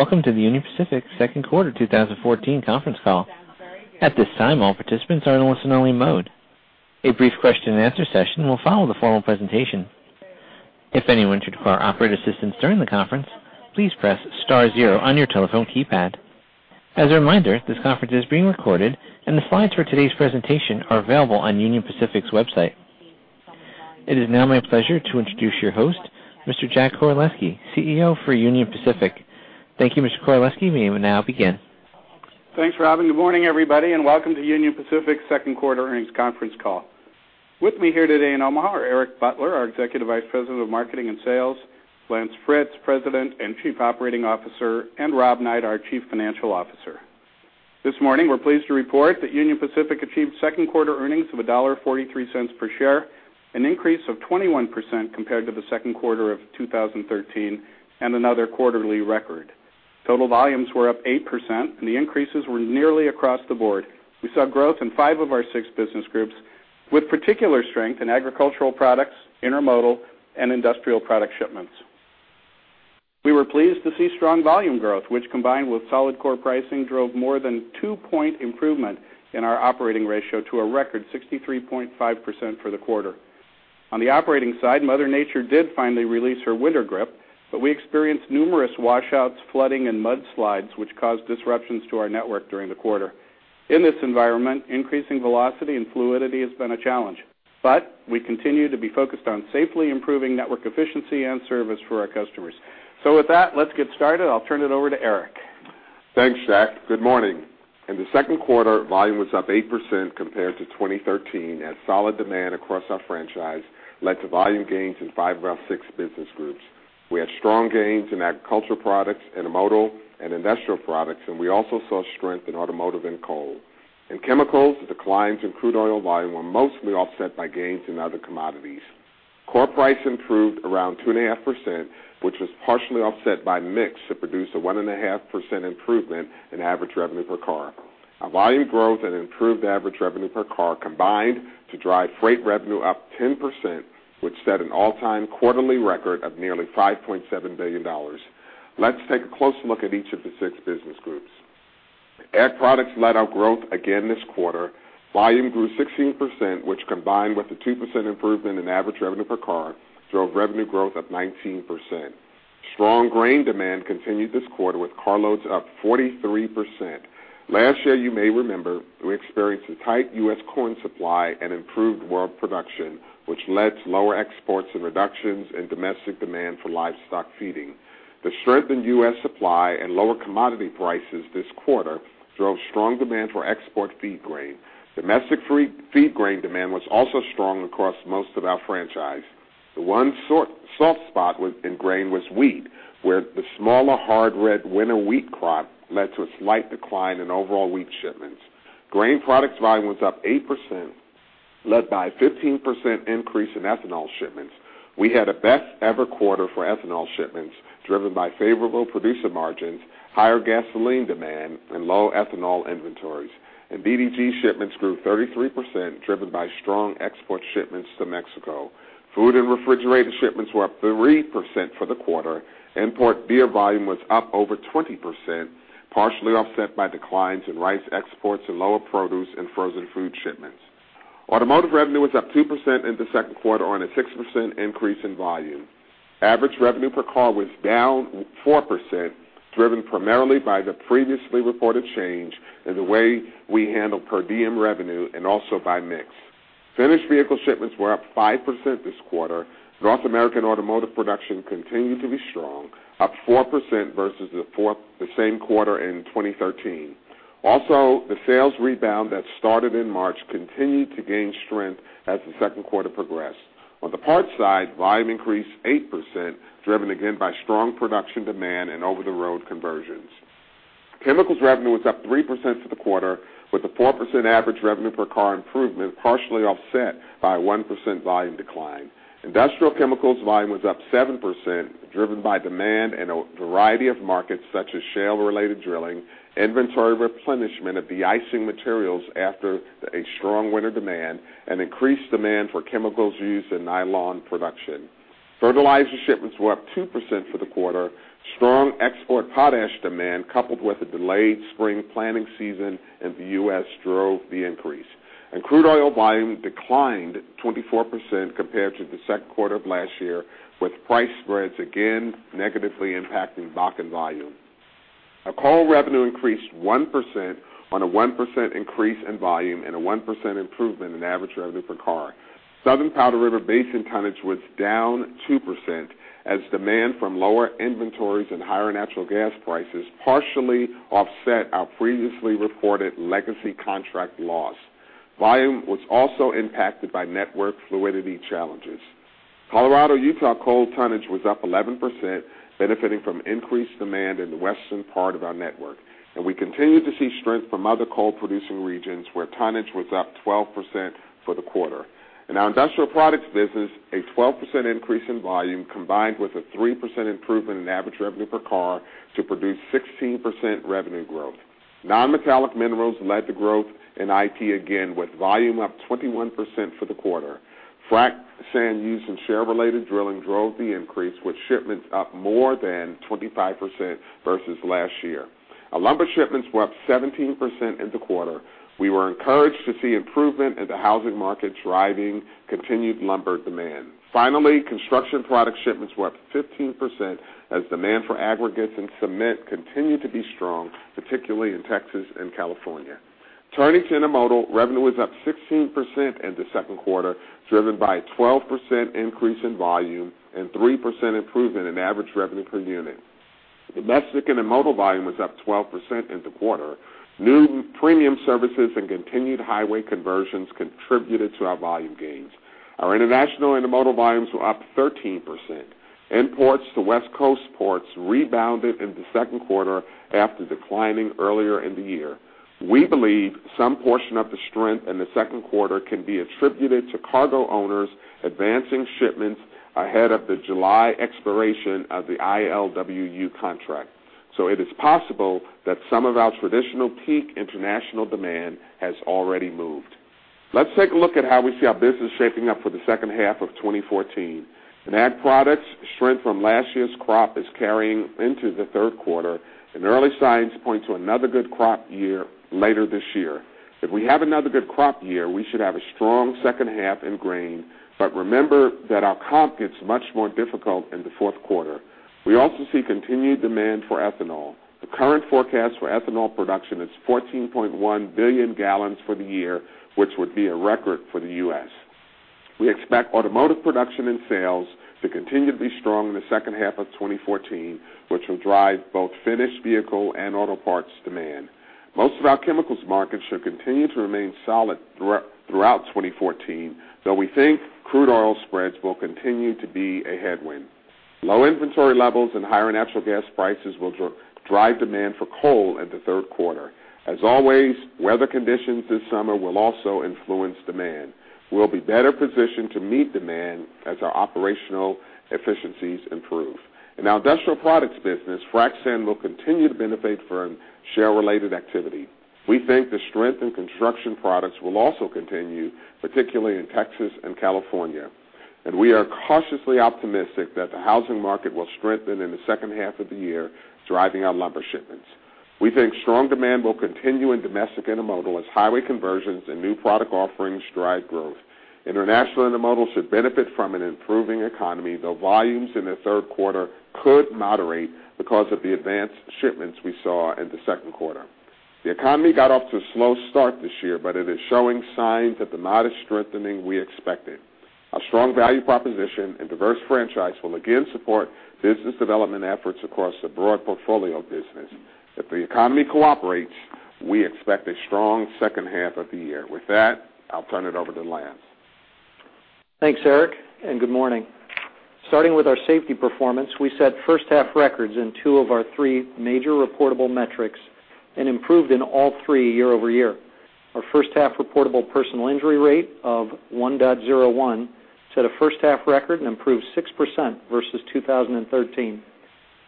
Welcome to the Union Pacific second quarter 2014 conference call. At this time, all participants are in listen-only mode. A brief question-and-answer session will follow the formal presentation. If anyone should require operator assistance during the conference, please press star zero on your telephone keypad. As a reminder, this conference is being recorded, and the slides for today's presentation are available on Union Pacific's website. It is now my pleasure to introduce your host, Mr. Jack Koraleski, CEO for Union Pacific. Thank you, Mr. Koraleski. We may now begin. Thanks, Robin. Good morning, everybody, and welcome to Union Pacific's second quarter earnings conference call. With me here today in Omaha are Eric Butler, our Executive Vice President of Marketing and Sales, Lance Fritz, President and Chief Operating Officer, and Rob Knight, our Chief Financial Officer. This morning, we're pleased to report that Union Pacific achieved second quarter earnings of $1.43 per share, an increase of 21% compared to the second quarter of 2013, and another quarterly record. Total volumes were up 8%, and the increases were nearly across the board. We saw growth in 5 of our 6 business groups, with particular strength in agricultural products, intermodal, and industrial product shipments. We were pleased to see strong volume growth, which, combined with solid core pricing, drove more than 2-point improvement in our operating ratio to a record 63.5% for the quarter. On the operating side, Mother Nature did finally release her winter grip, but we experienced numerous washouts, flooding, and mudslides, which caused disruptions to our network during the quarter. In this environment, increasing velocity and fluidity has been a challenge, but we continue to be focused on safely improving network efficiency and service for our customers. So with that, let's get started. I'll turn it over to Eric. Thanks, Jack. Good morning. In the second quarter, volume was up 8% compared to 2013, as solid demand across our franchise led to volume gains in 5 of our 6 business groups. We had strong gains in Agricultural Products, Intermodal and Industrial Products, and we also saw strength in Automotive and Coal. In Chemicals, the declines in crude oil volume were mostly offset by gains in other commodities. Core Price improved around 2.5%, which was partially offset by mix to produce a 1.5% improvement in average revenue per car. Our volume growth and improved average revenue per car combined to drive freight revenue up 10%, which set an all-time quarterly record of nearly $5.7 billion. Let's take a closer look at each of the 6 business groups. Ag products led our growth again this quarter. Volume grew 16%, which, combined with the 2% improvement in average revenue per car, drove revenue growth up 19%. Strong grain demand continued this quarter, with carloads up 43%. Last year, you may remember, we experienced a tight U.S. corn supply and improved world production, which led to lower exports and reductions in domestic demand for livestock feeding. The strengthened U.S. supply and lower commodity prices this quarter drove strong demand for export feed grain. Domestic feed grain demand was also strong across most of our franchise. The one soft spot was in grain, wheat, where the smaller, hard red winter wheat crop led to a slight decline in overall wheat shipments. Grain products volume was up 8%, led by a 15% increase in ethanol shipments. We had a best-ever quarter for ethanol shipments, driven by favorable producer margins, higher gasoline demand, and low ethanol inventories. DDG shipments grew 33%, driven by strong export shipments to Mexico. Food and refrigerated shipments were up 3% for the quarter. Import beer volume was up over 20%, partially offset by declines in rice exports and lower produce and frozen food shipments. Automotive revenue was up 2% in the second quarter on a 6% increase in volume. Average revenue per car was down 4%, driven primarily by the previously reported change in the way we handle per diem revenue and also by mix. Finished vehicle shipments were up 5% this quarter. North American automotive production continued to be strong, up 4% versus the same quarter in 2013. Also, the sales rebound that started in March continued to gain strength as the second quarter progressed. On the parts side, volume increased 8%, driven again by strong production demand and over-the-road conversions. Chemicals revenue was up 3% for the quarter, with a 4% average revenue per car improvement, partially offset by a 1% volume decline. Industrial chemicals volume was up 7%, driven by demand in a variety of markets, such as shale-related drilling, inventory replenishment of de-icing materials after a strong winter demand, and increased demand for chemicals used in nylon production. Fertilizer shipments were up 2% for the quarter. Strong export potash demand, coupled with a delayed spring planting season in the U.S., drove the increase. Crude oil volume declined 24% compared to the second quarter of last year, with price spreads again negatively impacting Bakken volume. Our coal revenue increased 1% on a 1% increase in volume and a 1% improvement in average revenue per car. Southern Powder River Basin tonnage was down 2%, as demand from lower inventories and higher natural gas prices partially offset our previously reported legacy contract loss. Volume was also impacted by network fluidity challenges. Colorado-Utah coal tonnage was up 11%, benefiting from increased demand in the western part of our network, and we continued to see strength from other coal-producing regions, where tonnage was up 12% for the quarter. In our industrial products business, a 12% increase in volume, combined with a 3% improvement in average revenue per car, to produce 16% revenue growth. Non-metallic minerals led to growth in IT again, with volume up 21% for the quarter.... Frac Sand use and shale-related drilling drove the increase, with shipments up more than 25% versus last year. Our lumber shipments were up 17% in the quarter. We were encouraged to see improvement in the housing market driving continued lumber demand. Finally, construction product shipments were up 15% as demand for aggregates and cement continued to be strong, particularly in Texas and California. Turning to Intermodal, revenue was up 16% in the second quarter, driven by a 12% increase in volume and 3% improvement in average revenue per unit. Domestic and Intermodal volume was up 12% in the quarter. New premium services and continued highway conversions contributed to our volume gains. Our international Intermodal volumes were up 13%. Imports to West Coast ports rebounded in the second quarter after declining earlier in the year. We believe some portion of the strength in the second quarter can be attributed to cargo owners advancing shipments ahead of the July expiration of the ILWU contract. So it is possible that some of our traditional peak international demand has already moved. Let's take a look at how we see our business shaping up for the second half of 2014. In ag products, strength from last year's crop is carrying into the third quarter, and early signs point to another good crop year later this year. If we have another good crop year, we should have a strong second half in grain, but remember that our comp gets much more difficult in the fourth quarter. We also see continued demand for ethanol. The current forecast for ethanol production is 14.1 billion gallons for the year, which would be a record for the U.S. We expect automotive production and sales to continue to be strong in the second half of 2014, which will drive both finished vehicle and auto parts demand. Most of our chemicals markets should continue to remain solid throughout 2014, though we think crude oil spreads will continue to be a headwind. Low inventory levels and higher natural gas prices will drive demand for coal in the third quarter. As always, weather conditions this summer will also influence demand. We'll be better positioned to meet demand as our operational efficiencies improve. In our industrial products business, frac sand will continue to benefit from shale-related activity. We think the strength in construction products will also continue, particularly in Texas and California, and we are cautiously optimistic that the housing market will strengthen in the second half of the year, driving our lumber shipments. We think strong demand will continue in domestic intermodal as highway conversions and new product offerings drive growth. International intermodal should benefit from an improving economy, though volumes in the third quarter could moderate because of the advanced shipments we saw in the second quarter. The economy got off to a slow start this year, but it is showing signs of the modest strengthening we expected. Our strong value proposition and diverse franchise will again support business development efforts across a broad portfolio of business. If the economy cooperates, we expect a strong second half of the year. With that, I'll turn it over to Lance. Thanks, Eric, and good morning. Starting with our safety performance, we set first half records in 2 of our 3 major reportable metrics and improved in all 3 year-over-year. Our first half reportable personal injury rate of 1.01 set a first half record and improved 6% versus 2013.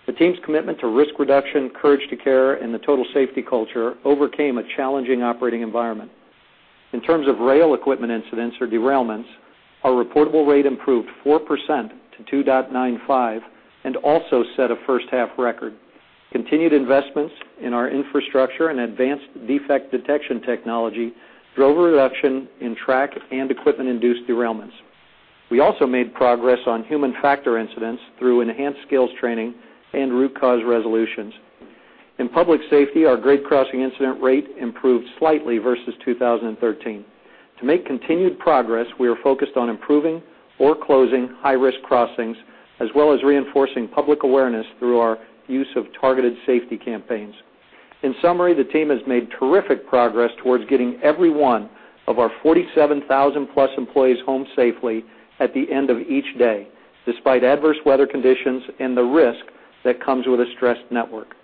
The team's commitment to risk reduction, courage to care, and the total safety culture overcame a challenging operating environment. In terms of rail equipment incidents or derailments, our reportable rate improved 4% to 2.95 and also set a first half record. Continued investments in our infrastructure and advanced defect detection technology drove a reduction in track and equipment-induced derailments. We also made progress on human factor incidents through enhanced skills training and root cause resolutions. In public safety, our grade crossing incident rate improved slightly versus 2013. To make continued progress, we are focused on improving or closing high-risk crossings, as well as reinforcing public awareness through our use of targeted safety campaigns. In summary, the team has made terrific progress towards getting every one of our 47,000 plus employees home safely at the end of each day, despite adverse weather conditions and the risk that comes with a stressed network.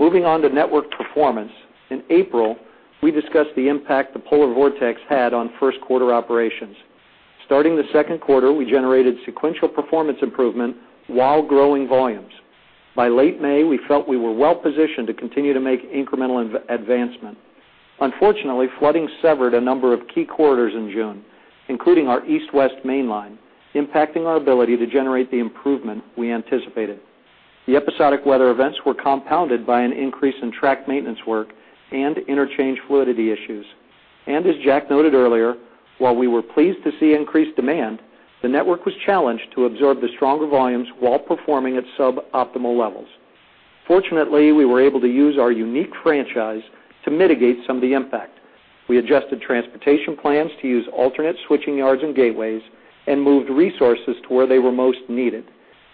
Moving on to network performance. In April, we discussed the impact the polar vortex had on first quarter operations. Starting the second quarter, we generated sequential performance improvement while growing volumes. By late May, we felt we were well positioned to continue to make incremental advancement. Unfortunately, flooding severed a number of key corridors in June, including our East-West mainline, impacting our ability to generate the improvement we anticipated. The episodic weather events were compounded by an increase in track maintenance work and interchange fluidity issues. As Jack noted earlier, while we were pleased to see increased demand, the network was challenged to absorb the stronger volumes while performing at suboptimal levels. Fortunately, we were able to use our unique franchise to mitigate some of the impact. We adjusted transportation plans to use alternate switching yards and gateways and moved resources to where they were most needed.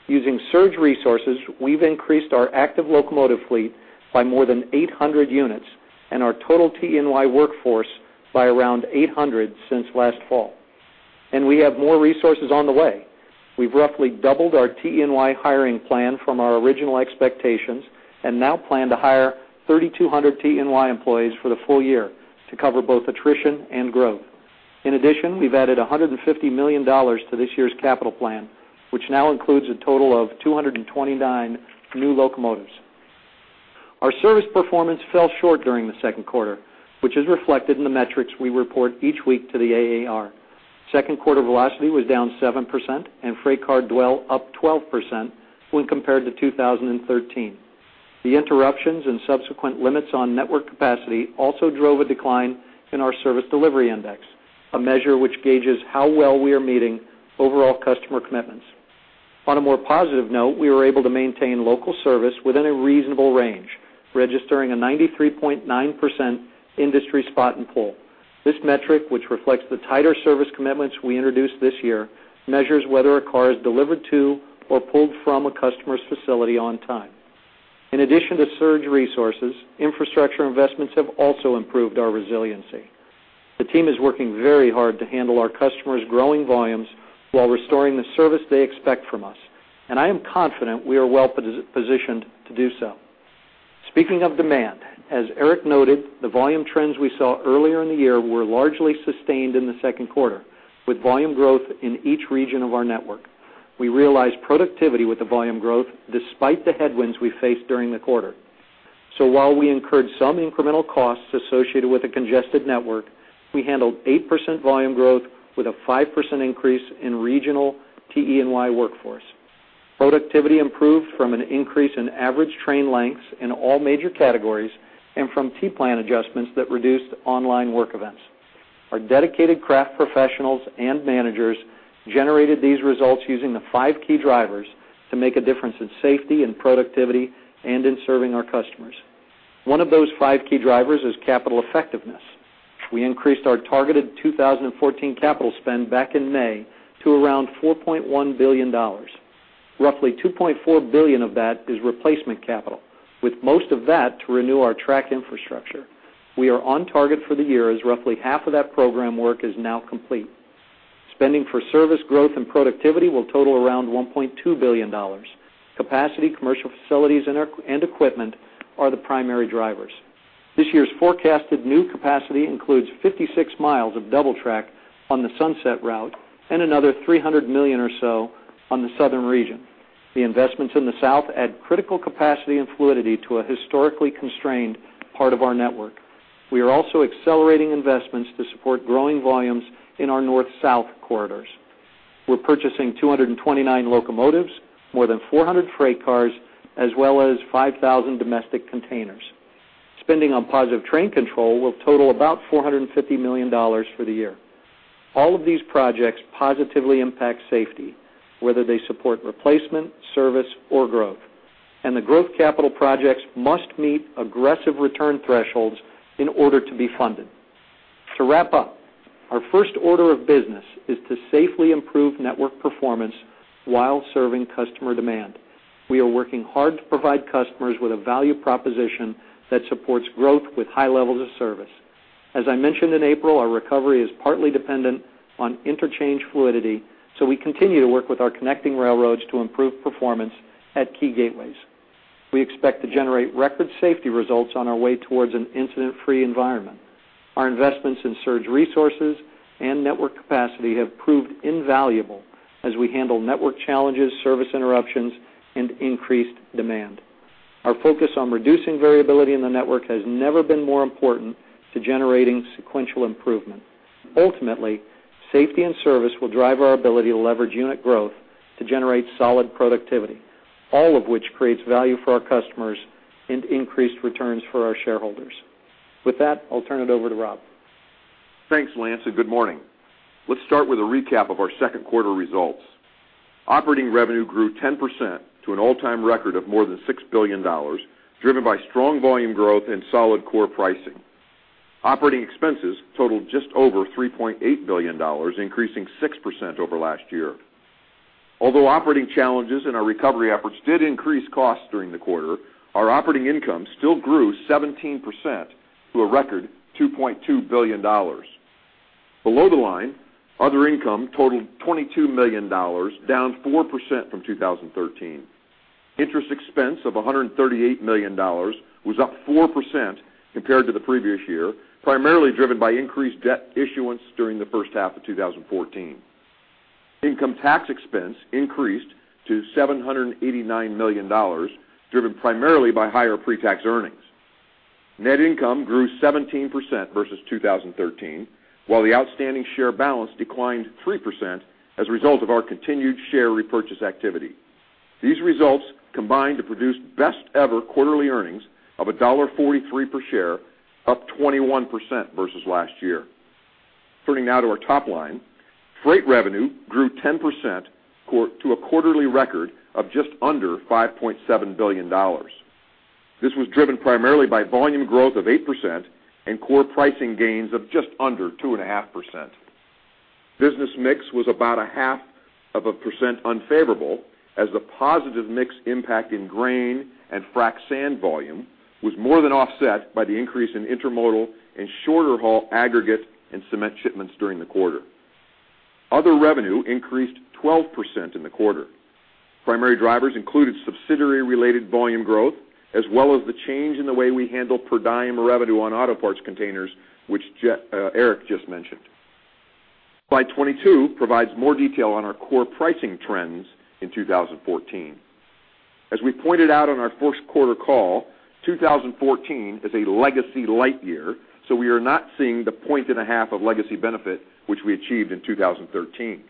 Using surge resources, we've increased our active locomotive fleet by more than 800 units and our total TE&Y workforce by around 800 since last fall. We have more resources on the way. We've roughly doubled our TE&Y hiring plan from our original expectations and now plan to hire 3,200 TE&Y employees for the full year to cover both attrition and growth. In addition, we've added $150 million to this year's capital plan, which now includes a total of 229 new locomotives... Our service performance fell short during the second quarter, which is reflected in the metrics we report each week to the AAR. Second quarter velocity was down 7% and freight car dwell up 12% when compared to 2013. The interruptions and subsequent limits on network capacity also drove a decline in our service delivery index, a measure which gauges how well we are meeting overall customer commitments. On a more positive note, we were able to maintain local service within a reasonable range, registering a 93.9% industry spot and pull. This metric, which reflects the tighter service commitments we introduced this year, measures whether a car is delivered to or pulled from a customer's facility on time. In addition to surge resources, infrastructure investments have also improved our resiliency. The team is working very hard to handle our customers' growing volumes while restoring the service they expect from us, and I am confident we are well positioned to do so. Speaking of demand, as Eric noted, the volume trends we saw earlier in the year were largely sustained in the second quarter, with volume growth in each region of our network. We realized productivity with the volume growth despite the headwinds we faced during the quarter. So while we incurred some incremental costs associated with a congested network, we handled 8% volume growth with a 5% increase in regional TE&Y workforce. Productivity improved from an increase in average train lengths in all major categories and from T plan adjustments that reduced online work events. Our dedicated craft professionals and managers generated these results using the five key drivers to make a difference in safety and productivity and in serving our customers. One of those five key drivers is Capital Effectiveness. We increased our targeted 2014 capital spend back in May to around $4.1 billion. Roughly $2.4 billion of that is replacement capital, with most of that to renew our track infrastructure. We are on target for the year, as roughly half of that program work is now complete. Spending for service growth and productivity will total around $1.2 billion. Capacity, commercial facilities and equipment are the primary drivers. This year's forecasted new capacity includes 56 miles of double track on the Sunset Route and another $300 million or so on the southern region. The investments in the south add critical capacity and fluidity to a historically constrained part of our network. We are also accelerating investments to support growing volumes in our north-south corridors. We're purchasing 229 locomotives, more than 400 freight cars, as well as 5,000 domestic containers. Spending on positive train control will total about $450 million for the year. All of these projects positively impact safety, whether they support replacement, service or growth, and the growth capital projects must meet aggressive return thresholds in order to be funded. To wrap up, our first order of business is to safely improve network performance while serving customer demand. We are working hard to provide customers with a value proposition that supports growth with high levels of service. As I mentioned in April, our recovery is partly dependent on interchange fluidity, so we continue to work with our connecting railroads to improve performance at key gateways. We expect to generate record safety results on our way towards an incident-free environment. Our investments in surge resources and network capacity have proved invaluable as we handle network challenges, service interruptions, and increased demand. Our focus on reducing variability in the network has never been more important to generating sequential improvement. Ultimately, safety and service will drive our ability to leverage unit growth to generate solid productivity, all of which creates value for our customers and increased returns for our shareholders. With that, I'll turn it over to Rob. Thanks, Lance, and good morning. Let's start with a recap of our second quarter results. Operating revenue grew 10% to an all-time record of more than $6 billion, driven by strong volume growth and solid core pricing. Operating expenses totaled just over $3.8 billion, increasing 6% over last year. Although operating challenges and our recovery efforts did increase costs during the quarter, our operating income still grew 17% to a record $2.2 billion. Below the line, other income totaled $22 million, down 4% from 2013. Interest expense of $138 million was up 4% compared to the previous year, primarily driven by increased debt issuance during the first half of 2014. Income tax expense increased to $789 million, driven primarily by higher pretax earnings. Net income grew 17% versus 2013, while the outstanding share balance declined 3% as a result of our continued share repurchase activity. These results combined to produce best-ever quarterly earnings of $1.43 per share, up 21% versus last year. Turning now to our top line, freight revenue grew 10% to a quarterly record of just under $5.7 billion. This was driven primarily by volume growth of 8% and core pricing gains of just under 2.5%. Business mix was about 0.5% unfavorable, as the positive mix impact in grain and frac sand volume was more than offset by the increase in intermodal and shorter-haul aggregate and cement shipments during the quarter. Other revenue increased 12% in the quarter. Primary drivers included subsidiary-related volume growth, as well as the change in the way we handle per diem revenue on auto parts containers, which Eric just mentioned. Slide 22 provides more detail on our core pricing trends in 2014. As we pointed out on our first quarter call, 2014 is a legacy light year, so we are not seeing the 1.5 of legacy benefit which we achieved in 2013.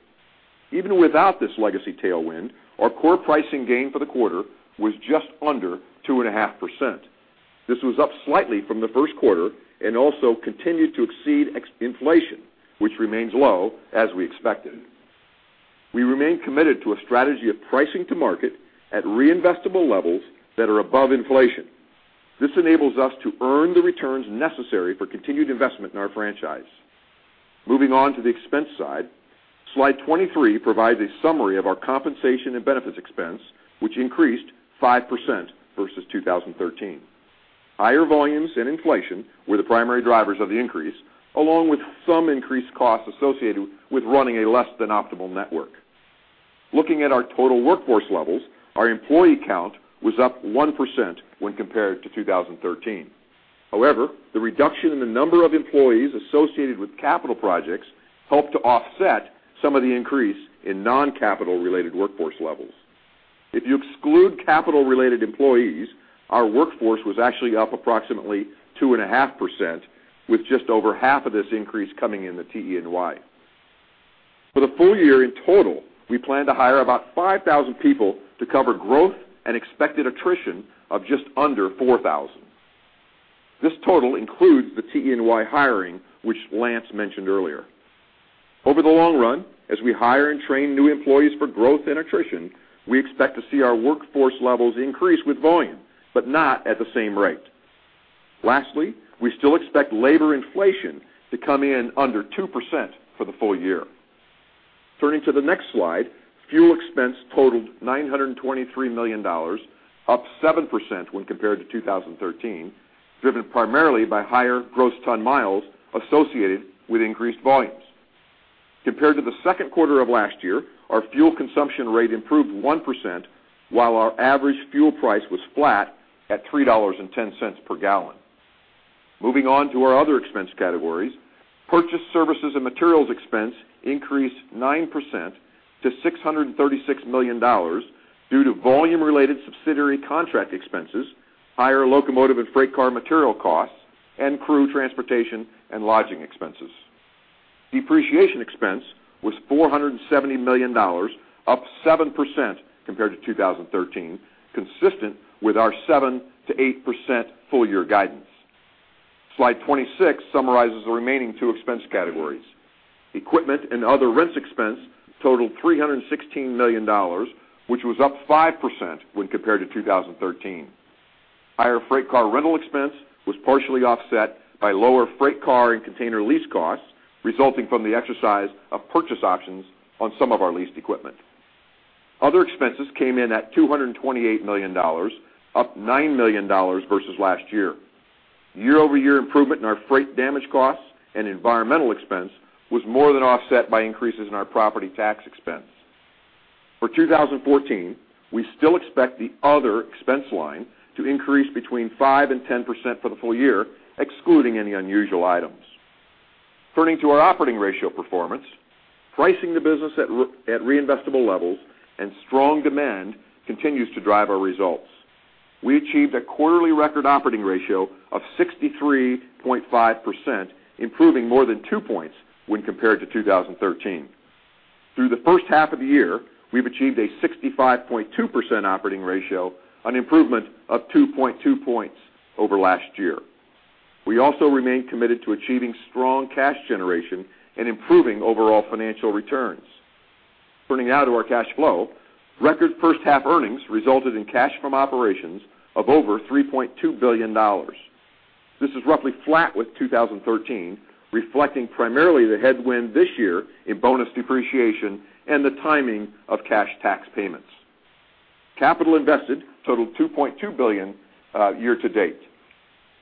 Even without this legacy tailwind, our core pricing gain for the quarter was just under 2.5%. This was up slightly from the first quarter and also continued to exceed ex-inflation, which remains low, as we expected. We remain committed to a strategy of pricing to market at reinvestable levels that are above inflation. This enables us to earn the returns necessary for continued investment in our franchise. Moving on to the expense side, slide 23 provides a summary of our compensation and benefits expense, which increased 5% versus 2013. Higher volumes and inflation were the primary drivers of the increase, along with some increased costs associated with running a less than optimal network. Looking at our total workforce levels, our employee count was up 1% when compared to 2013. However, the reduction in the number of employees associated with capital projects helped to offset some of the increase in non-capital related workforce levels. If you exclude capital-related employees, our workforce was actually up approximately 2.5%, with just over half of this increase coming in the TE&Y. For the full year in total, we plan to hire about 5,000 people to cover growth and expected attrition of just under 4,000. This total includes the TE&Y hiring, which Lance mentioned earlier. Over the long run, as we hire and train new employees for growth and attrition, we expect to see our workforce levels increase with volume, but not at the same rate. Lastly, we still expect labor inflation to come in under 2% for the full year. Turning to the next slide, fuel expense totaled $923 million, up 7% when compared to 2013, driven primarily by higher gross ton miles associated with increased volumes. Compared to the second quarter of last year, our fuel consumption rate improved 1%, while our average fuel price was flat at $3.10 per gallon. Moving on to our other expense categories, purchase services and materials expense increased 9% to $636 million due to volume-related subsidiary contract expenses, higher locomotive and freight car material costs, and crew transportation and lodging expenses. Depreciation expense was $470 million, up 7% compared to 2013, consistent with our 7%-8% full year guidance. Slide 26 summarizes the remaining two expense categories. Equipment and other rents expense totaled $316 million, which was up 5% when compared to 2013. Higher freight car rental expense was partially offset by lower freight car and container lease costs, resulting from the exercise of purchase options on some of our leased equipment. Other expenses came in at $228 million, up $9 million versus last year. Year-over-year improvement in our freight damage costs and environmental expense was more than offset by increases in our property tax expense. For 2014, we still expect the other expense line to increase between 5% and 10% for the full year, excluding any unusual items. Turning to our operating ratio performance, pricing the business at reinvestable levels and strong demand continues to drive our results. We achieved a quarterly record operating ratio of 63.5%, improving more than two points when compared to 2013. Through the first half of the year, we've achieved a 65.2% operating ratio, an improvement of 2.2 points over last year. We also remain committed to achieving strong cash generation and improving overall financial returns. Turning now to our cash flow, record first half earnings resulted in cash from operations of over $3.2 billion. This is roughly flat with 2013, reflecting primarily the headwind this year in bonus depreciation and the timing of cash tax payments. Capital invested totaled $2.2 billion year-to-date.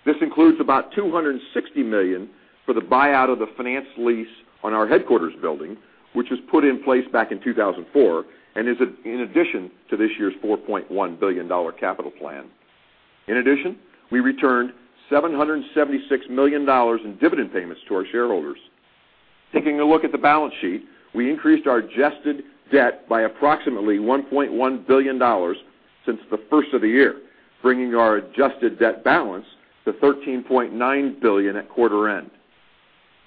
This includes about $260 million for the buyout of the finance lease on our headquarters building, which was put in place back in 2004 and is in addition to this year's $4.1 billion capital plan. In addition, we returned $776 million in dividend payments to our shareholders. Taking a look at the balance sheet, we increased our adjusted debt by approximately $1.1 billion since the first of the year, bringing our adjusted debt balance to $13.9 billion at quarter end.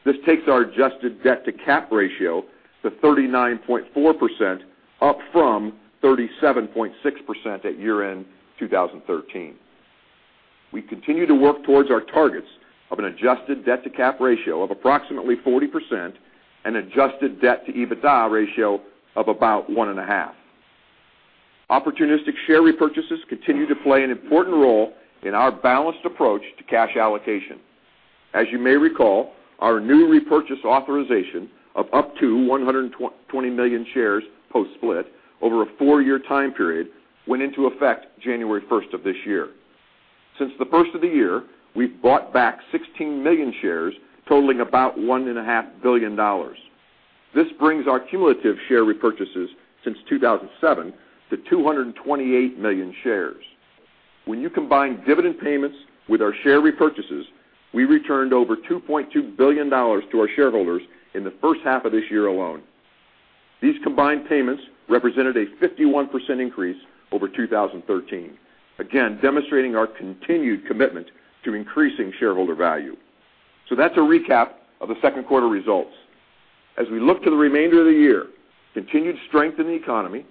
This takes our adjusted debt-to-cap ratio to 39.4%, up from 37.6% at year-end 2013. We continue to work towards our targets of an adjusted debt-to-cap ratio of approximately 40% and adjusted debt-to-EBITDA ratio of about 1.5. Opportunistic share repurchases continue to play an important role in our balanced approach to cash allocation. As you may recall, our new repurchase authorization of up to 120 million shares post-split over a four-year time period went into effect January first of this year. Since the first of the year, we've bought back 16 million shares, totaling about $1.5 billion. This brings our cumulative share repurchases since 2007 to 228 million shares.... When you combine dividend payments with our share repurchases, we returned over $2.2 billion to our shareholders in the first half of this year alone. These combined payments represented a 51% increase over 2013, again, demonstrating our continued commitment to increasing shareholder value. So that's a recap of the second quarter results. As we look to the remainder of the year, continued strength in the economy,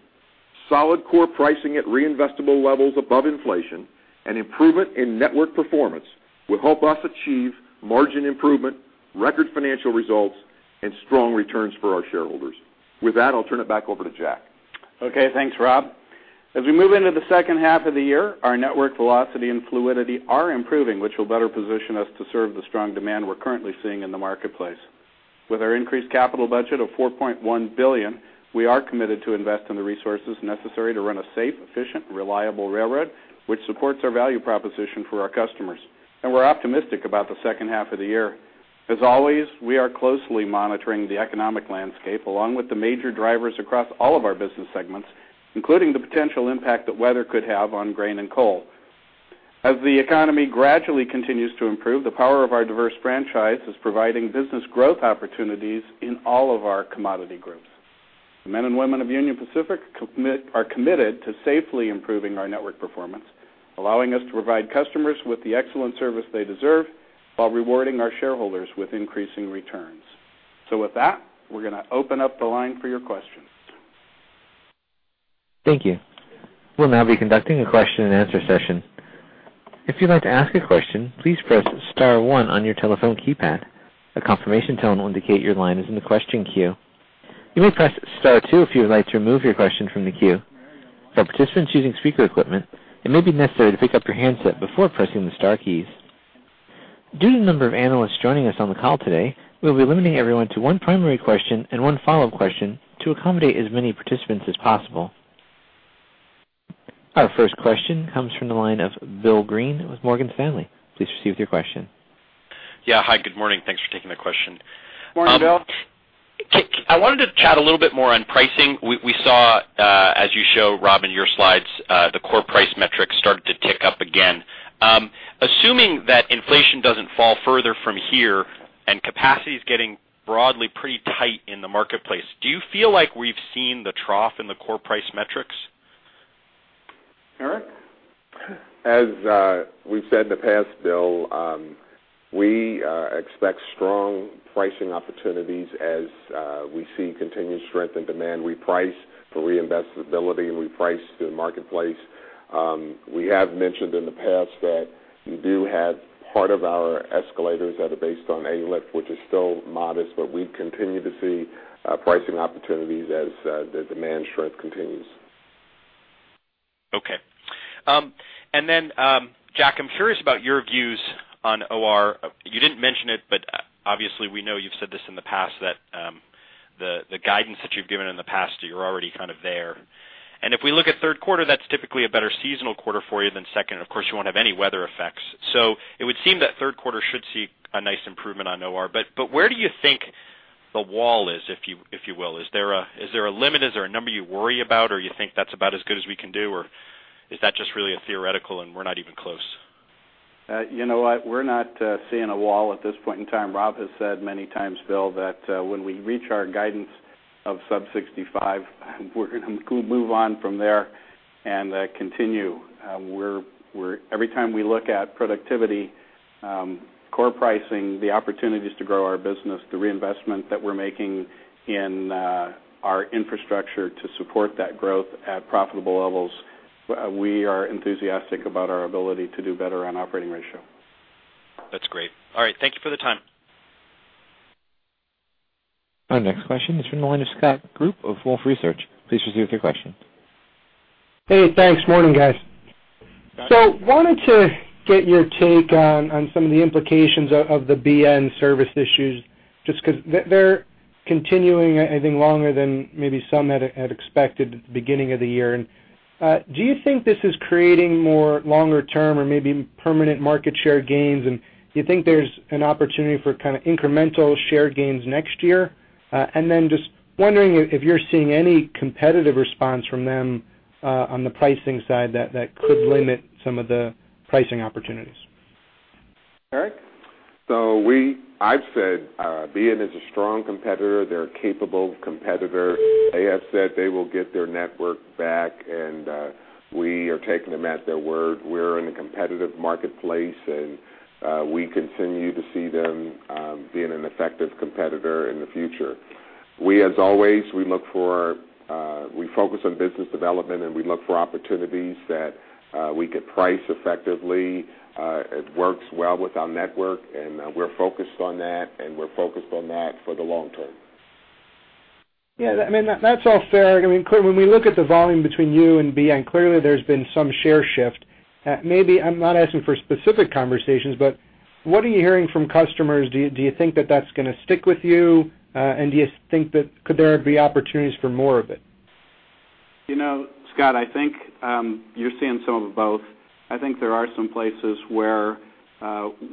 solid core pricing at reinvestable levels above inflation, and improvement in network performance will help us achieve margin improvement, record financial results, and strong returns for our shareholders. With that, I'll turn it back over to Jack. Okay, thanks, Rob. As we move into the second half of the year, our network velocity and fluidity are improving, which will better position us to serve the strong demand we're currently seeing in the marketplace. With our increased capital budget of $4.1 billion, we are committed to invest in the resources necessary to run a safe, efficient, reliable railroad, which supports our value proposition for our customers, and we're optimistic about the second half of the year. As always, we are closely monitoring the economic landscape, along with the major drivers across all of our business segments, including the potential impact that weather could have on grain and coal. As the economy gradually continues to improve, the power of our diverse franchise is providing business growth opportunities in all of our commodity groups. The men and women of Union Pacific are committed to safely improving our network performance, allowing us to provide customers with the excellent service they deserve, while rewarding our shareholders with increasing returns. So with that, we're gonna open up the line for your questions. Thank you. We'll now be conducting a question-and-answer session. If you'd like to ask a question, please press star one on your telephone keypad. A confirmation tone will indicate your line is in the question queue. You may press star two if you would like to remove your question from the queue. For participants using speaker equipment, it may be necessary to pick up your handset before pressing the star keys. Due to the number of analysts joining us on the call today, we'll be limiting everyone to one primary question and one follow-up question to accommodate as many participants as possible. Our first question comes from the line of Bill Greene with Morgan Stanley. Please proceed with your question. Yeah. Hi, good morning. Thanks for taking the question. Morning, Bill. I wanted to chat a little bit more on pricing. We saw, as you show, Rob, in your slides, the Core Price metrics started to tick up again. Assuming that inflation doesn't fall further from here and capacity is getting broadly pretty tight in the marketplace, do you feel like we've seen the trough in the Core Price metrics? Eric? As we've said in the past, Bill, we expect strong pricing opportunities as we see continued strength in demand. We price for reinvestibility, and we price to the marketplace. We have mentioned in the past that we do have part of our escalators that are based on A-LIF, which is still modest, but we continue to see pricing opportunities as the demand strength continues. Okay. And then, Jack, I'm curious about your views on OR. You didn't mention it, but obviously, we know you've said this in the past, that the guidance that you've given in the past, that you're already kind of there. And if we look at third quarter, that's typically a better seasonal quarter for you than second. Of course, you won't have any weather effects. So it would seem that third quarter should see a nice improvement on OR. But where do you think the wall is, if you will? Is there a limit? Is there a number you worry about, or you think that's about as good as we can do, or is that just really a theoretical and we're not even close? You know what? We're not seeing a wall at this point in time. Rob has said many times, Bill, that when we reach our guidance of sub-65, we're gonna move on from there and continue. Every time we look at productivity, core pricing, the opportunities to grow our business, the reinvestment that we're making in our infrastructure to support that growth at profitable levels, we are enthusiastic about our ability to do better on Operating Ratio. That's great. All right, thank you for the time. Our next question is from the line of Scott Group of Wolfe Research. Please proceed with your question. Hey, thanks. Morning, guys. So wanted to get your take on some of the implications of the BN service issues, just because they're continuing, I think, longer than maybe some had expected at the beginning of the year. And do you think this is creating more longer-term or maybe permanent market share gains? And do you think there's an opportunity for kind of incremental share gains next year? And then just wondering if you're seeing any competitive response from them on the pricing side that could limit some of the pricing opportunities. Eric? So I've said, BN is a strong competitor. They're a capable competitor. They have said they will get their network back, and we are taking them at their word. We're in a competitive marketplace, and we continue to see them being an effective competitor in the future. We as always, we look for we focus on business development, and we look for opportunities that we could price effectively, it works well with our network, and we're focused on that, and we're focused on that for the long term. Yeah, I mean, that's all fair. I mean, clearly when we look at the volume between you and BN, clearly there's been some share shift. Maybe I'm not asking for specific conversations, but what are you hearing from customers? Do you, do you think that that's gonna stick with you? And do you think that could there be opportunities for more of it? You know, Scott, I think you're seeing some of both. I think there are some places where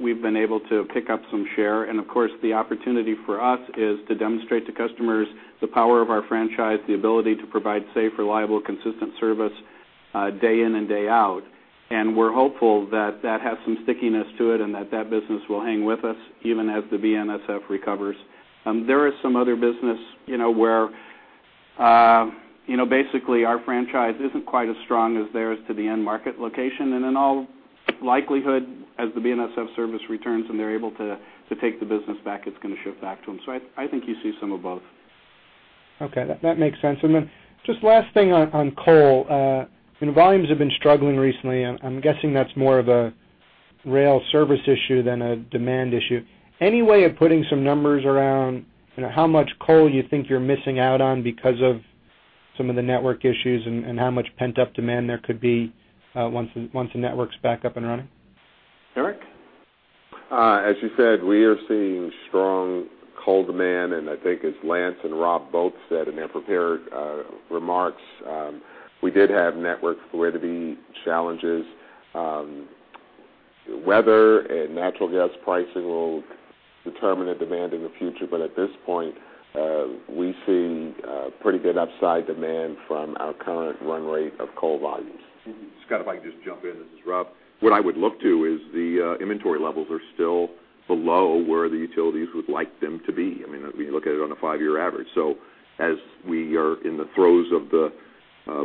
we've been able to pick up some share. And of course, the opportunity for us is to demonstrate to customers the power of our franchise, the ability to provide safe, reliable, consistent service, day in and day out. And we're hopeful that that has some stickiness to it and that that business will hang with us even as the BNSF recovers. There is some other business, you know, where, you know, basically, our franchise isn't quite as strong as theirs to the end market location. And in all likelihood, as the BNSF service returns and they're able to take the business back, it's gonna shift back to them. So I think you see some of both. Okay, that makes sense. And then just last thing on coal. Volumes have been struggling recently, and I'm guessing that's more of a rail service issue than a demand issue. Any way of putting some numbers around, you know, how much coal you think you're missing out on because of some of the network issues, and how much pent-up demand there could be once the network's back up and running? Eric? As you said, we are seeing strong coal demand, and I think as Lance and Rob both said in their prepared remarks, we did have network fluidity challenges. Weather and natural gas pricing will determine the demand in the future, but at this point, we see pretty good upside demand from our current run rate of coal volumes. Scott, if I can just jump in, this is Rob. What I would look to is the inventory levels are still below where the utilities would like them to be. I mean, if you look at it on a five-year average. So as we are in the throes of the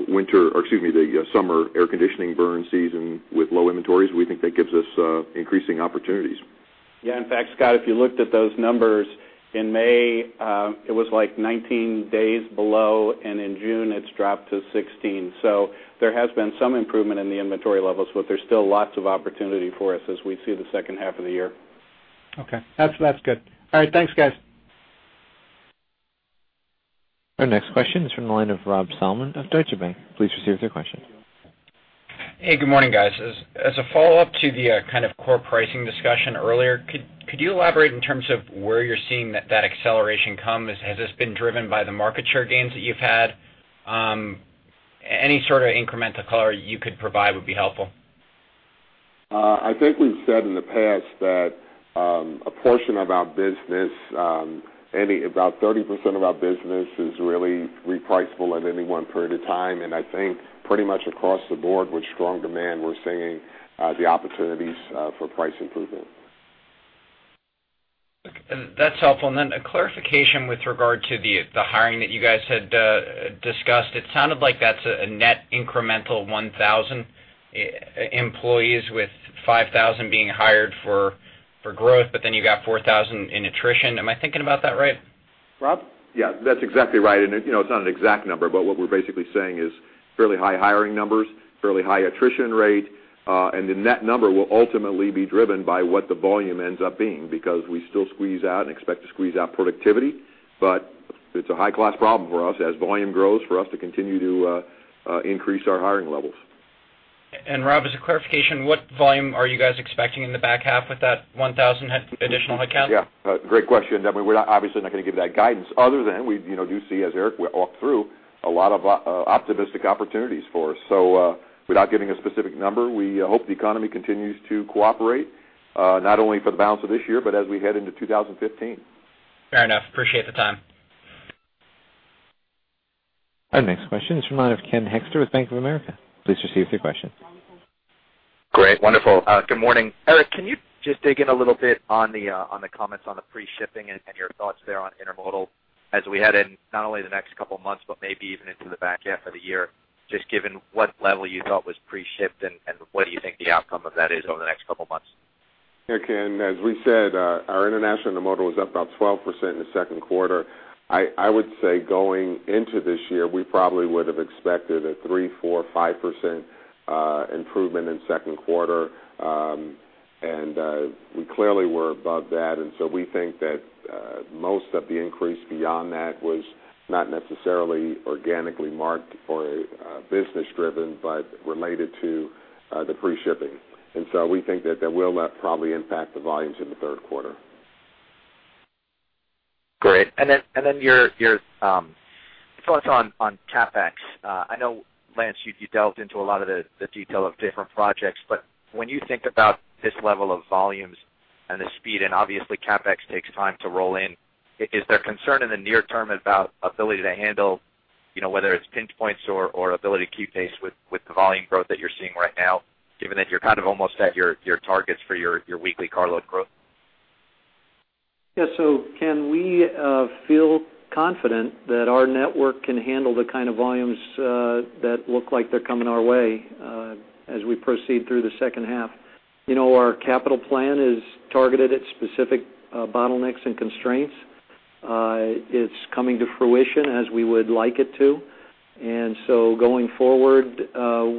winter, or excuse me, the summer air conditioning burn season with low inventories, we think that gives us increasing opportunities. Yeah. In fact, Scott, if you looked at those numbers, in May, it was like 19 days below, and in June, it's dropped to 16. So there has been some improvement in the inventory levels, but there's still lots of opportunity for us as we see the second half of the year. Okay. That's, that's good. All right, thanks, guys. Our next question is from the line of Rob Salmon of Deutsche Bank. Please proceed with your question. Hey, good morning, guys. As a follow-up to the kind of core pricing discussion earlier, could you elaborate in terms of where you're seeing that acceleration come? Has this been driven by the market share gains that you've had? Any sort of incremental color you could provide would be helpful. I think we've said in the past that, a portion of our business, about 30% of our business is really repriceable at any one point in time. And I think pretty much across the board, with strong demand, we're seeing, the opportunities, for price improvement. That's helpful. And then a clarification with regard to the, the hiring that you guys had discussed. It sounded like that's a net incremental 1,000 employees, with 5,000 being hired for growth, but then you got 4,000 in attrition. Am I thinking about that right? Rob? Yeah, that's exactly right. And, you know, it's not an exact number, but what we're basically saying is fairly high hiring numbers, fairly high attrition rate, and the net number will ultimately be driven by what the volume ends up being because we still squeeze out and expect to squeeze out productivity, but it's a high-class problem for us as volume grows, for us to continue to increase our hiring levels. Rob, as a clarification, what volume are you guys expecting in the back half with that 1,000 additional headcount? Yeah, great question. I mean, we're obviously not going to give you that guidance other than we, you know, do see, as Eric walked through, a lot of optimistic opportunities for us. So, without giving a specific number, we hope the economy continues to cooperate, not only for the balance of this year, but as we head into 2015. Fair enough. Appreciate the time. Our next question is from Ken Hoexter with Bank of America. Please receive your question. Great. Wonderful. Good morning. Eric, can you just dig in a little bit on the, on the comments on the pre-shipping and, and your thoughts there on intermodal as we head in not only the next couple of months, but maybe even into the back half of the year, just given what level you thought was pre-shipped and, and what do you think the outcome of that is over the next couple of months? Hey, Ken, as we said, our international intermodal was up about 12% in the second quarter. I would say going into this year, we probably would have expected a 3%-5% improvement in second quarter. And we clearly were above that, and so we think that most of the increase beyond that was not necessarily organically marked or business driven, but related to the pre-shipping. And so we think that that will not probably impact the volumes in the third quarter. Great. And then your thoughts on CapEx. I know, Lance, you delved into a lot of the detail of different projects, but when you think about this level of volumes and the speed, and obviously CapEx takes time to roll in, is there concern in the near term about ability to handle, you know, whether it's pinch points or ability to keep pace with the volume growth that you're seeing right now, given that you're kind of almost at your targets for your weekly carload growth? Yeah. So can we feel confident that our network can handle the kind of volumes that look like they're coming our way as we proceed through the second half? You know, our capital plan is targeted at specific bottlenecks and constraints. It's coming to fruition as we would like it to. And so going forward,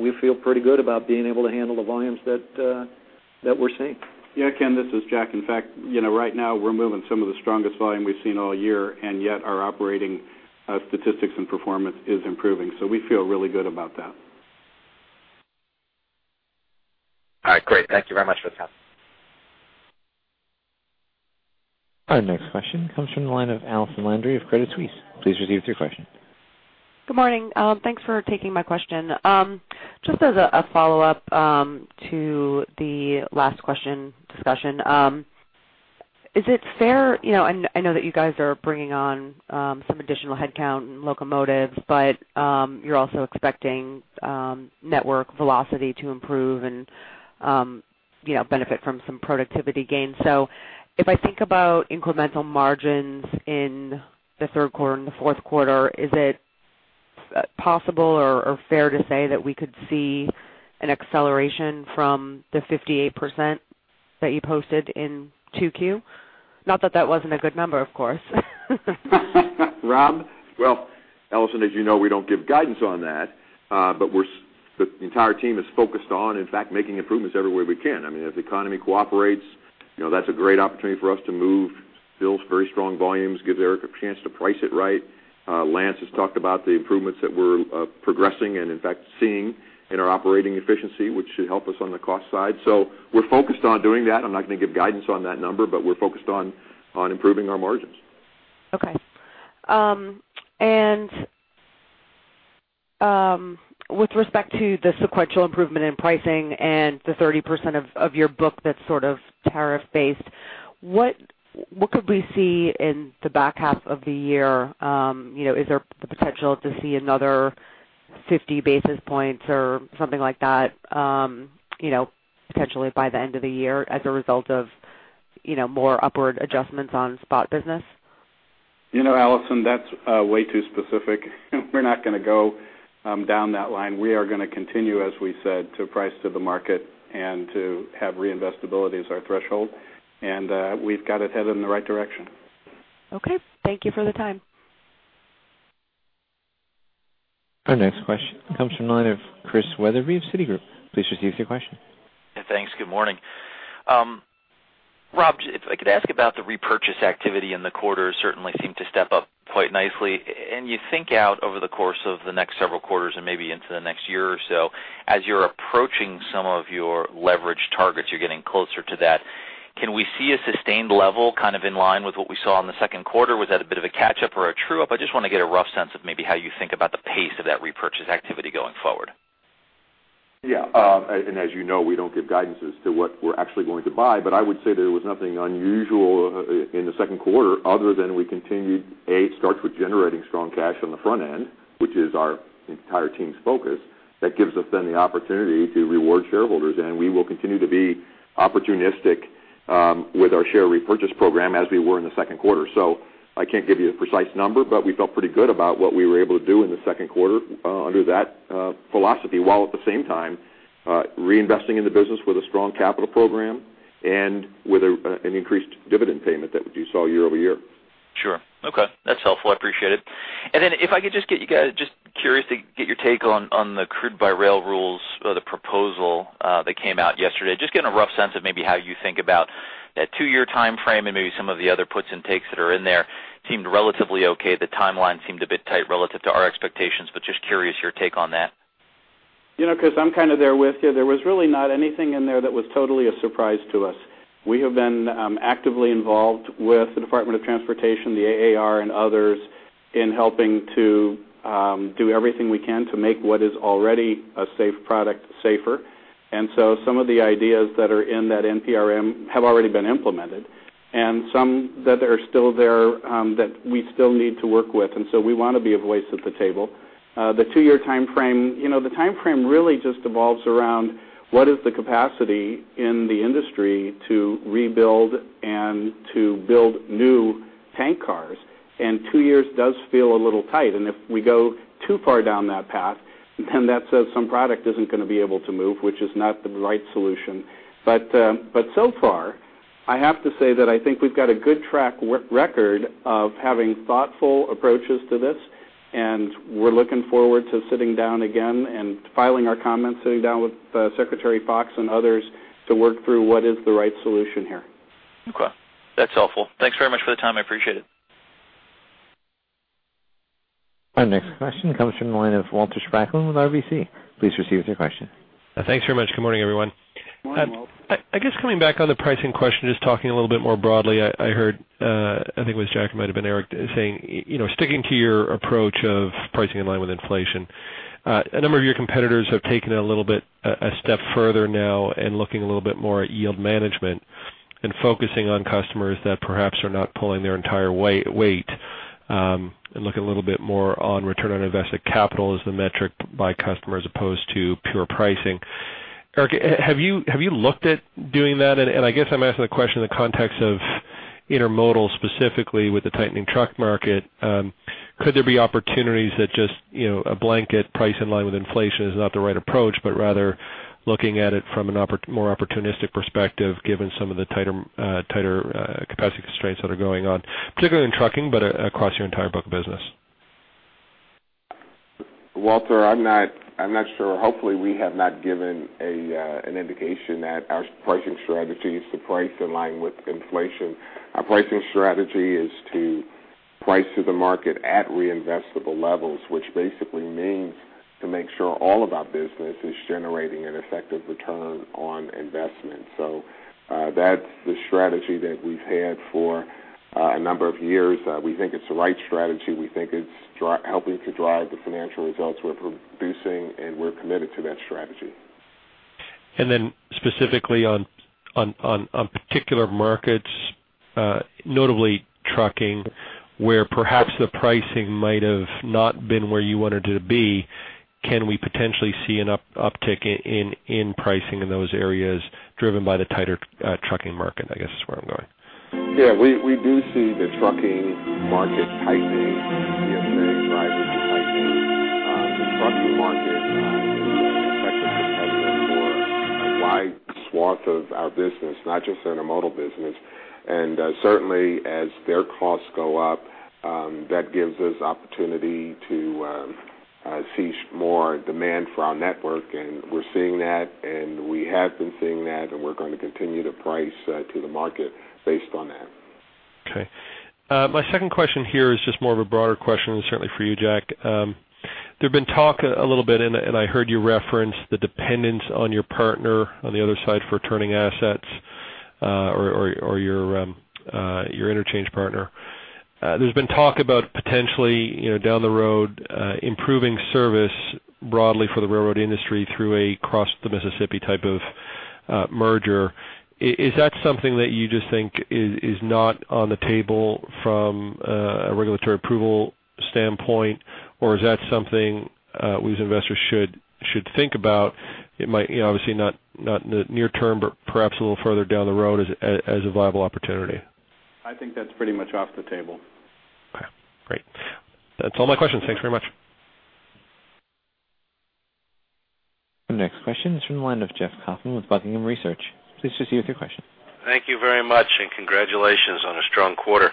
we feel pretty good about being able to handle the volumes that that we're seeing. Yeah, Ken, this is Jack. In fact, you know, right now we're moving some of the strongest volume we've seen all year, and yet our operating statistics and performance is improving, so we feel really good about that. All right, great. Thank you very much for the time. Our next question comes from the line of Allison Landry of Credit Suisse. Please proceed with your question. Good morning. Thanks for taking my question. Just as a, a follow-up to the last question discussion, is it fair... You know, I, I know that you guys are bringing on some additional headcount and locomotives, but you're also expecting network velocity to improve and, you know, benefit from some productivity gains. So if I think about incremental margins in the third quarter and the fourth quarter, is it possible or, or fair to say that we could see an acceleration from the 58% that you posted in 2Q? Not that that wasn't a good number, of course. Rob? Well, Allison, as you know, we don't give guidance on that, but we're the entire team is focused on, in fact, making improvements everywhere we can. I mean, if the economy cooperates, you know, that's a great opportunity for us to move bills, very strong volumes, gives Eric a chance to price it right. Lance has talked about the improvements that we're progressing and, in fact, seeing in our operating efficiency, which should help us on the cost side. So we're focused on doing that. I'm not going to give guidance on that number, but we're focused on improving our margins. Okay. With respect to the sequential improvement in pricing and the 30% of your book that's sort of tariff-based, what could we see in the back half of the year? You know, is there the potential to see another 50 basis points or something like that, you know, potentially by the end of the year as a result of, you know, more upward adjustments on spot business? You know, Allison, that's way too specific. We're not gonna go down that line. We are gonna continue, as we said, to price to the market and to have reinvestability as our threshold, and we've got it headed in the right direction. Okay. Thank you for the time. Our next question comes from the line of Chris Wetherbee of Citigroup. Please proceed with your question. Thanks. Good morning. Rob, if I could ask about the repurchase activity in the quarter, certainly seemed to step up quite nicely. And you think out over the course of the next several quarters and maybe into the next year or so, as you're approaching some of your leverage targets, you're getting closer to that, can we see a sustained level, kind of in line with what we saw in the second quarter? Was that a bit of a catch up or a true up? I just wanna get a rough sense of maybe how you think about the pace of that repurchase activity going forward. Yeah. And as you know, we don't give guidance as to what we're actually going to buy, but I would say there was nothing unusual in the second quarter other than we continued. It starts with generating strong cash on the front end, which is our entire team's focus. That gives us then the opportunity to reward shareholders, and we will continue to be opportunistic with our share repurchase program as we were in the second quarter. So I can't give you a precise number, but we felt pretty good about what we were able to do in the second quarter under that philosophy, while at the same time reinvesting in the business with a strong capital program and with an increased dividend payment that you saw year-over-year. Sure. Okay. That's helpful. I appreciate it. And then if I could just get you guys. Just curious to get your take on the crude by rail rules or the proposal that came out yesterday. Just get a rough sense of maybe how you think about that 2-year timeframe and maybe some of the other puts and takes that are in there. Seemed relatively okay. The timeline seemed a bit tight relative to our expectations, but just curious your take on that. You know, Chris, I'm kind of there with you. There was really not anything in there that was totally a surprise to us. We have been actively involved with the Department of Transportation, the AAR, and others, in helping to do everything we can to make what is already a safe product safer. And so some of the ideas that are in that NPRM have already been implemented, and some that are still there that we still need to work with, and so we want to be a voice at the table. The two-year timeframe, you know, the timeframe really just evolves around what is the capacity in the industry to rebuild and to build new tank cars, and two years does feel a little tight. And if we go too far down that path, then that says some product isn't gonna be able to move, which is not the right solution. But so far, I have to say that I think we've got a good track record of having thoughtful approaches to this, and we're looking forward to sitting down again and filing our comments, sitting down with Secretary Foxx and others to work through what is the right solution here. Okay. That's helpful. Thanks very much for the time. I appreciate it. Our next question comes from the line of Walter Spracklin with RBC. Please proceed with your question. Thanks very much. Good morning, everyone. Good morning, Walter. I guess coming back on the pricing question, just talking a little bit more broadly, I heard, I think it was Jack, it might have been Eric saying, you know, sticking to your approach of pricing in line with inflation. A number of your competitors have taken it a little bit, a step further now and looking a little bit more at yield management and focusing on customers that perhaps are not pulling their entire weight, and looking a little bit more on return on invested capital as the metric by customer, as opposed to pure pricing. Eric, have you looked at doing that? And I guess I'm asking the question in the context of intermodal, specifically with the tightening truck market. Could there be opportunities that just, you know, a blanket price in line with inflation is not the right approach, but rather looking at it from a more opportunistic perspective, given some of the tighter capacity constraints that are going on, particularly in trucking, but across your entire book of business? Walter, I'm not, I'm not sure. Hopefully, we have not given a, an indication that our pricing strategy is to price in line with inflation. Our pricing strategy is-... price to the market at reinvestable levels, which basically means to make sure all of our business is generating an effective return on investment. So, that's the strategy that we've had for a number of years. We think it's the right strategy. We think it's helping to drive the financial results we're producing, and we're committed to that strategy. Then specifically on particular markets, notably trucking, where perhaps the pricing might have not been where you wanted it to be, can we potentially see an uptick in pricing in those areas driven by the tighter trucking market, I guess, is where I'm going? Yeah, we do see the trucking market tightening, we see drivers tightening. The trucking market is an effective competitor for a wide swath of our business, not just Intermodal business. And, certainly, as their costs go up, that gives us opportunity to seize more demand for our network, and we're seeing that, and we have been seeing that, and we're going to continue to price to the market based on that. Okay. My second question here is just more of a broader question, and certainly for you, Jack. There've been talk a little bit, and I heard you reference the dependence on your partner on the other side for turning assets, or your interchange partner. There's been talk about potentially, you know, down the road, improving service broadly for the railroad industry through a cross-the-Mississippi type of merger. Is that something that you just think is not on the table from a regulatory approval standpoint, or is that something we as investors should think about? It might, you know, obviously not in the near term, but perhaps a little further down the road as a viable opportunity. I think that's pretty much off the table. Okay, great. That's all my questions. Thanks very much. The next question is from the line of Jeff Kauffman with Buckingham Research. Please proceed with your question. Thank you very much, and congratulations on a strong quarter.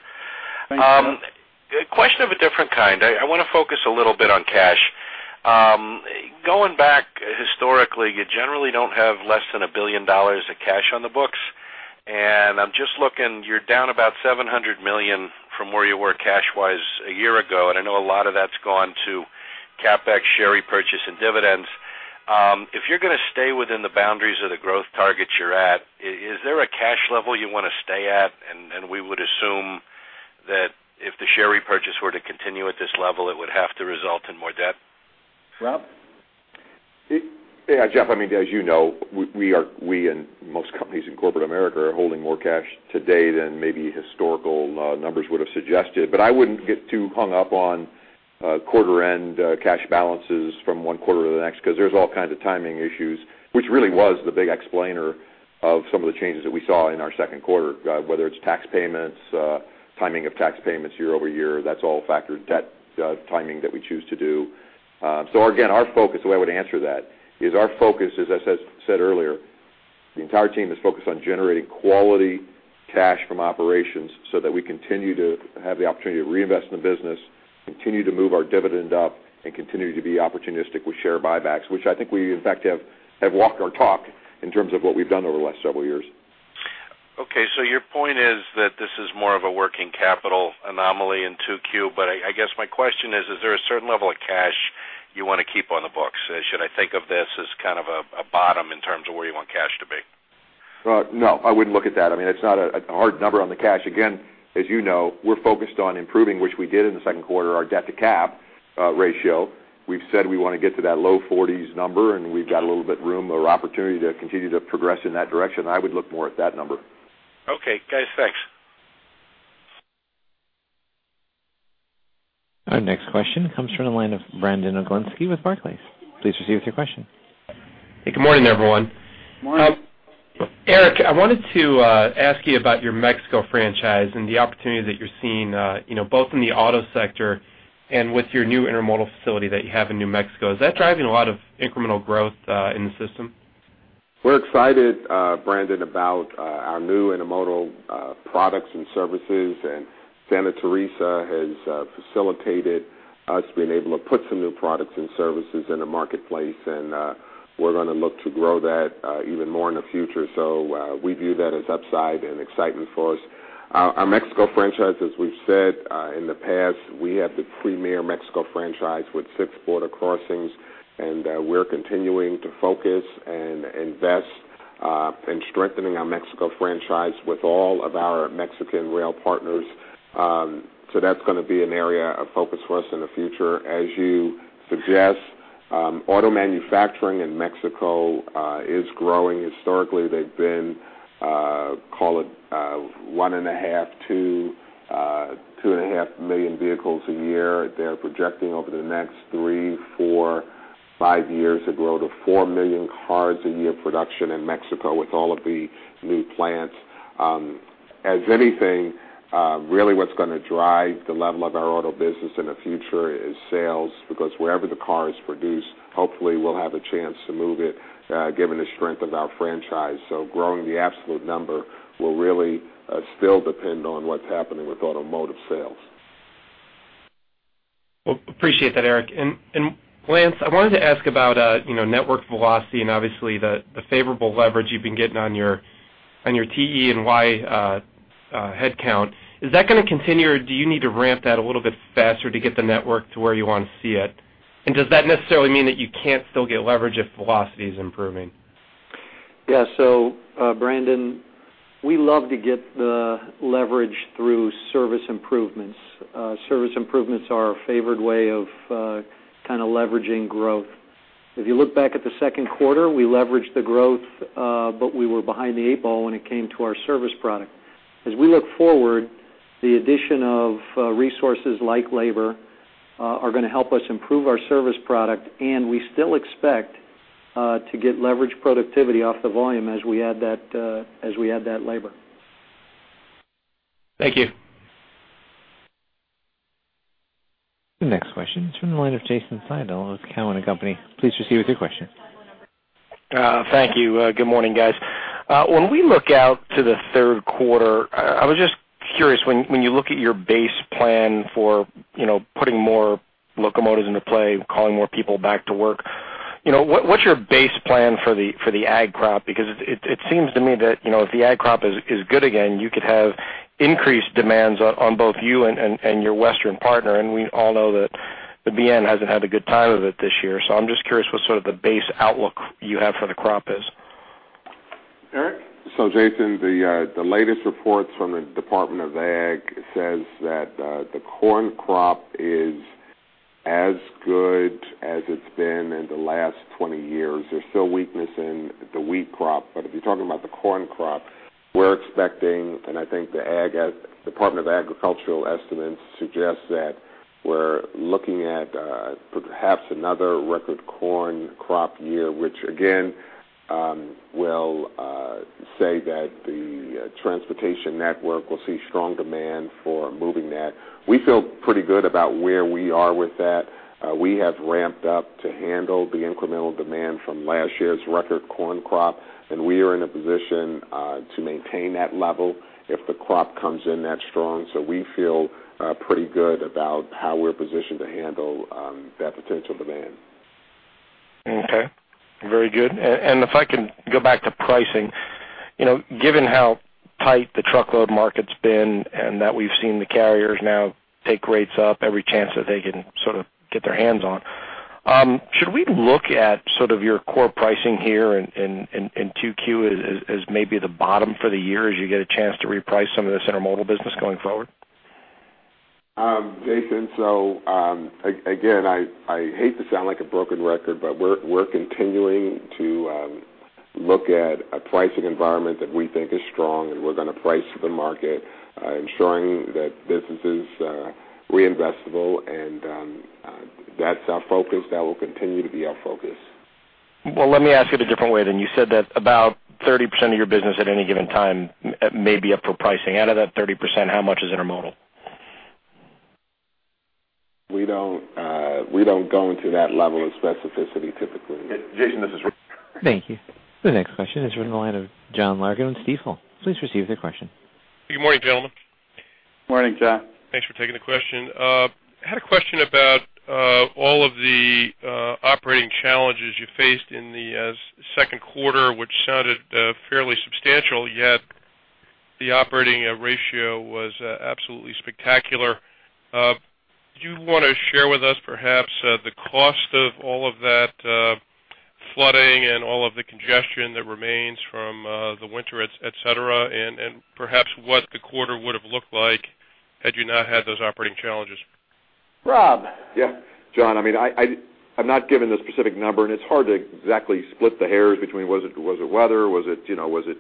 Thanks, Jeff. A question of a different kind. I wanna focus a little bit on cash. Going back historically, you generally don't have less than $1 billion of cash on the books, and I'm just looking, you're down about $700 million from where you were cash-wise a year ago, and I know a lot of that's gone to CapEx, share repurchase, and dividends. If you're gonna stay within the boundaries of the growth targets you're at, is there a cash level you wanna stay at? And we would assume that if the share repurchase were to continue at this level, it would have to result in more debt. Rob? Yeah, Jeff, I mean, as you know, we and most companies in corporate America are holding more cash today than maybe historical numbers would have suggested. But I wouldn't get too hung up on quarter-end cash balances from one quarter to the next because there's all kinds of timing issues, which really was the big explainer of some of the changes that we saw in our second quarter, whether it's tax payments, timing of tax payments year-over-year, that's all factored, debt, timing that we choose to do. So again, our focus, the way I would answer that, is our focus, as I said earlier, the entire team is focused on generating quality cash from operations so that we continue to have the opportunity to reinvest in the business, continue to move our dividend up, and continue to be opportunistic with share buybacks, which I think we, in fact, have walked our talk in terms of what we've done over the last several years. Okay, so your point is that this is more of a working capital anomaly in 2Q. But I, I guess my question is, is there a certain level of cash you wanna keep on the books? Should I think of this as kind of a, a bottom in terms of where you want cash to be? No, I wouldn't look at that. I mean, it's not a hard number on the cash. Again, as you know, we're focused on improving, which we did in the second quarter, our debt to cap ratio. We've said we wanna get to that low forties number, and we've got a little bit room or opportunity to continue to progress in that direction. I would look more at that number. Okay, guys, thanks. Our next question comes from the line of Brandon Oglenski with Barclays. Please proceed with your question. Hey, good morning, everyone. Morning. Eric, I wanted to ask you about your Mexico franchise and the opportunity that you're seeing, you know, both in the auto sector and with your new intermodal facility that you have in New Mexico. Is that driving a lot of incremental growth, in the system? We're excited, Brandon, about our new intermodal products and services, and Santa Teresa has facilitated us being able to put some new products and services in the marketplace, and we're gonna look to grow that even more in the future. So, we view that as upside and excitement for us. Our Mexico franchise, as we've said in the past, we have the premier Mexico franchise with six border crossings, and we're continuing to focus and invest in strengthening our Mexico franchise with all of our Mexican rail partners. So that's gonna be an area of focus for us in the future. As you suggest, auto manufacturing in Mexico is growing. Historically, they've been call it 1.5-2.5 million vehicles a year. They're projecting over the next 3, 4, 5 years to grow to 4 million cars a year production in Mexico with all of the new plants. As anything, really what's gonna drive the level of our auto business in the future is sales, because wherever the car is produced, hopefully we'll have a chance to move it, given the strength of our franchise. So growing the absolute number will really still depend on what's happening with automotive sales. Well, appreciate that, Eric. And Lance, I wanted to ask about, you know, network velocity and obviously, the favorable leverage you've been getting on your TE&Y headcount. Is that gonna continue, or do you need to ramp that a little bit faster to get the network to where you want to see it? And does that necessarily mean that you can't still get leverage if velocity is improving? Yeah. So, Brandon, we love to get the leverage through service improvements. Service improvements are our favored way of kind of leveraging growth. If you look back at the second quarter, we leveraged the growth, but we were behind the eight ball when it came to our service product. As we look forward, the addition of resources like labor are gonna help us improve our service product, and we still expect to get leverage productivity off the volume as we add that labor. Thank you. The next question is from the line of Jason Seidel of Cowen and Company. Please proceed with your question. Thank you. Good morning, guys. When we look out to the third quarter, I was just curious, when you look at your base plan for, you know, putting more locomotives into play, calling more people back to work, you know, what's your base plan for the ag crop? Because it seems to me that, you know, if the ag crop is good again, you could have increased demands on both you and your Western partner, and we all know that the BN hasn't had a good time of it this year. So I'm just curious what sort of the base outlook you have for the crop is. Eric? So Jason, the latest reports from the Department of Ag says that the corn crop is as good as it's been in the last 20 years. There's still weakness in the wheat crop, but if you're talking about the corn crop, we're expecting, and I think the Ag Department of Agriculture estimates suggest that we're looking at perhaps another record corn crop year, which again will say that the transportation network will see strong demand for moving that. We feel pretty good about where we are with that. We have ramped up to handle the incremental demand from last year's record corn crop, and we are in a position to maintain that level if the crop comes in that strong. So we feel pretty good about how we're positioned to handle that potential demand. Okay. Very good. And if I can go back to pricing, you know, given how tight the truckload market's been and that we've seen the carriers now take rates up every chance that they can sort of get their hands on, should we look at sort of your core pricing here in 2Q as maybe the bottom for the year as you get a chance to reprice some of this intermodal business going forward? Jason, so, again, I hate to sound like a broken record, but we're continuing to look at a pricing environment that we think is strong, and we're gonna price to the market, ensuring that business is reinvestable, and that's our focus. That will continue to be our focus. Well, let me ask it a different way then. You said that about 30% of your business at any given time may be up for pricing. Out of that 30%, how much is intermodal? We don't, we don't go into that level of specificity typically. Jason, this is Rob. Thank you. The next question is from the line of John Larkin with Stifel. Please receive your question. Good morning, gentlemen. Morning, John. Thanks for taking the question. Had a question about all of the operating challenges you faced in the second quarter, which sounded fairly substantial, yet the operating ratio was absolutely spectacular. Do you want to share with us perhaps the cost of all of that flooding and all of the congestion that remains from the winter, et cetera, and perhaps what the quarter would have looked like had you not had those operating challenges? Rob? Yeah, John, I mean, I'm not given the specific number, and it's hard to exactly split the hairs between was it weather? Was it, you know, was it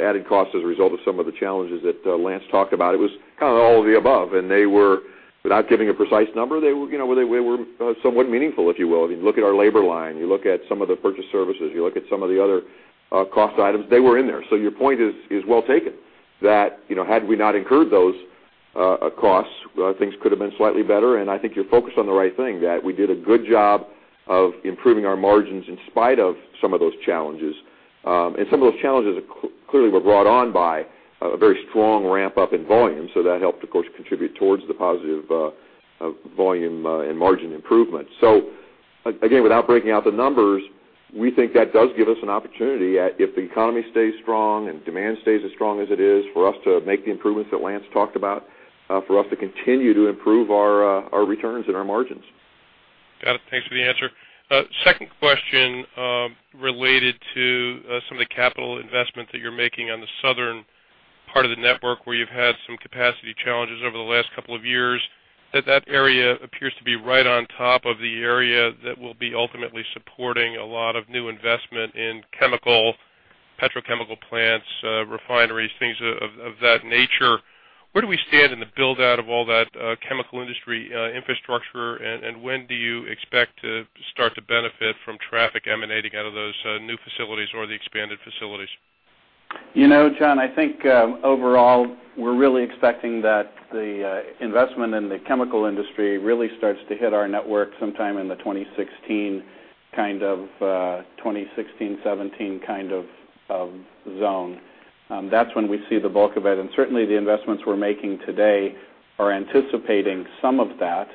added cost as a result of some of the challenges that Lance talked about? It was kind of all of the above, and they were, without giving a precise number, they were, you know, somewhat meaningful, if you will. If you look at our labor line, you look at some of the purchase services, you look at some of the other cost items, they were in there. So your point is well taken, that, you know, had we not incurred those costs, things could have been slightly better. I think you're focused on the right thing, that we did a good job of improving our margins in spite of some of those challenges. And some of those challenges clearly were brought on by a very strong ramp-up in volume, so that helped, of course, contribute towards the positive volume and margin improvement. So again, without breaking out the numbers, we think that does give us an opportunity at if the economy stays strong and demand stays as strong as it is, for us to make the improvements that Lance talked about, for us to continue to improve our our returns and our margins. Got it. Thanks for the answer. Second question, related to some of the capital investment that you're making on the southern part of the network, where you've had some capacity challenges over the last couple of years. That area appears to be right on top of the area that will be ultimately supporting a lot of new investment in chemical, petrochemical plants, refineries, things of that nature. Where do we stand in the build-out of all that chemical industry infrastructure, and when do you expect to start to benefit from traffic emanating out of those new facilities or the expanded facilities? You know, John, I think, overall, we're really expecting that the investment in the chemical industry really starts to hit our network sometime in 2016. kind of, 2016, 2017 kind of zone. That's when we see the bulk of it, and certainly, the investments we're making today are anticipating some of that,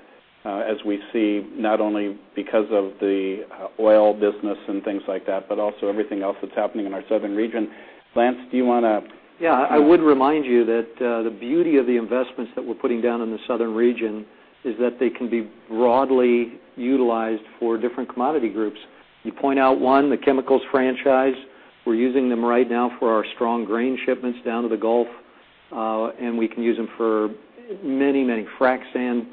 as we see, not only because of the, oil business and things like that, but also everything else that's happening in our southern region. Lance, do you want to- Yeah, I would remind you that the beauty of the investments that we're putting down in the southern region is that they can be broadly utilized for different commodity groups. You point out one, the chemicals franchise. We're using them right now for our strong grain shipments down to the Gulf, and we can use them for many, many frac sand.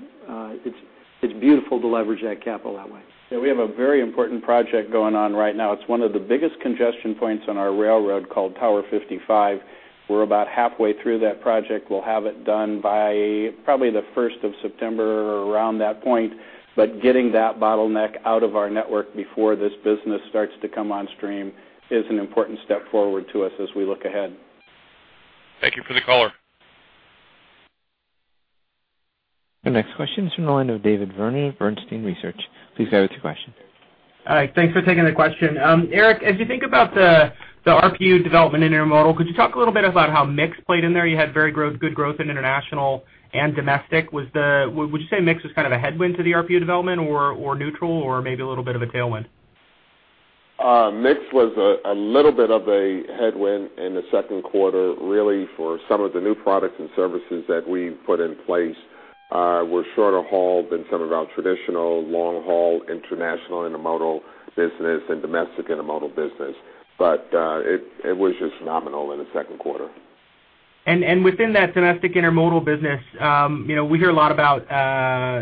It's beautiful to leverage that capital that way. Yeah, we have a very important project going on right now. It's one of the biggest congestion points on our railroad called Tower 55. We're about halfway through that project. We'll have it done by probably the first of September or around that point. But getting that bottleneck out of our network before this business starts to come on stream is an important step forward to us as we look ahead. Thank you for the caller. The next question is from the line of David Vernon of Bernstein Research. Please go ahead with your question. Hi, thanks for taking the question. Eric, as you think about the RPU development in intermodal, could you talk a little bit about how mix played in there? You had good growth in international and domestic. Would you say mix was kind of a headwind to the RPU development or neutral, or maybe a little bit of a tailwind? Mix was a little bit of a headwind in the second quarter, really for some of the new products and services that we put in place, were shorter haul than some of our traditional long-haul, international intermodal business and domestic intermodal business. But, it was just nominal in the second quarter. And within that domestic intermodal business, you know, we hear a lot about,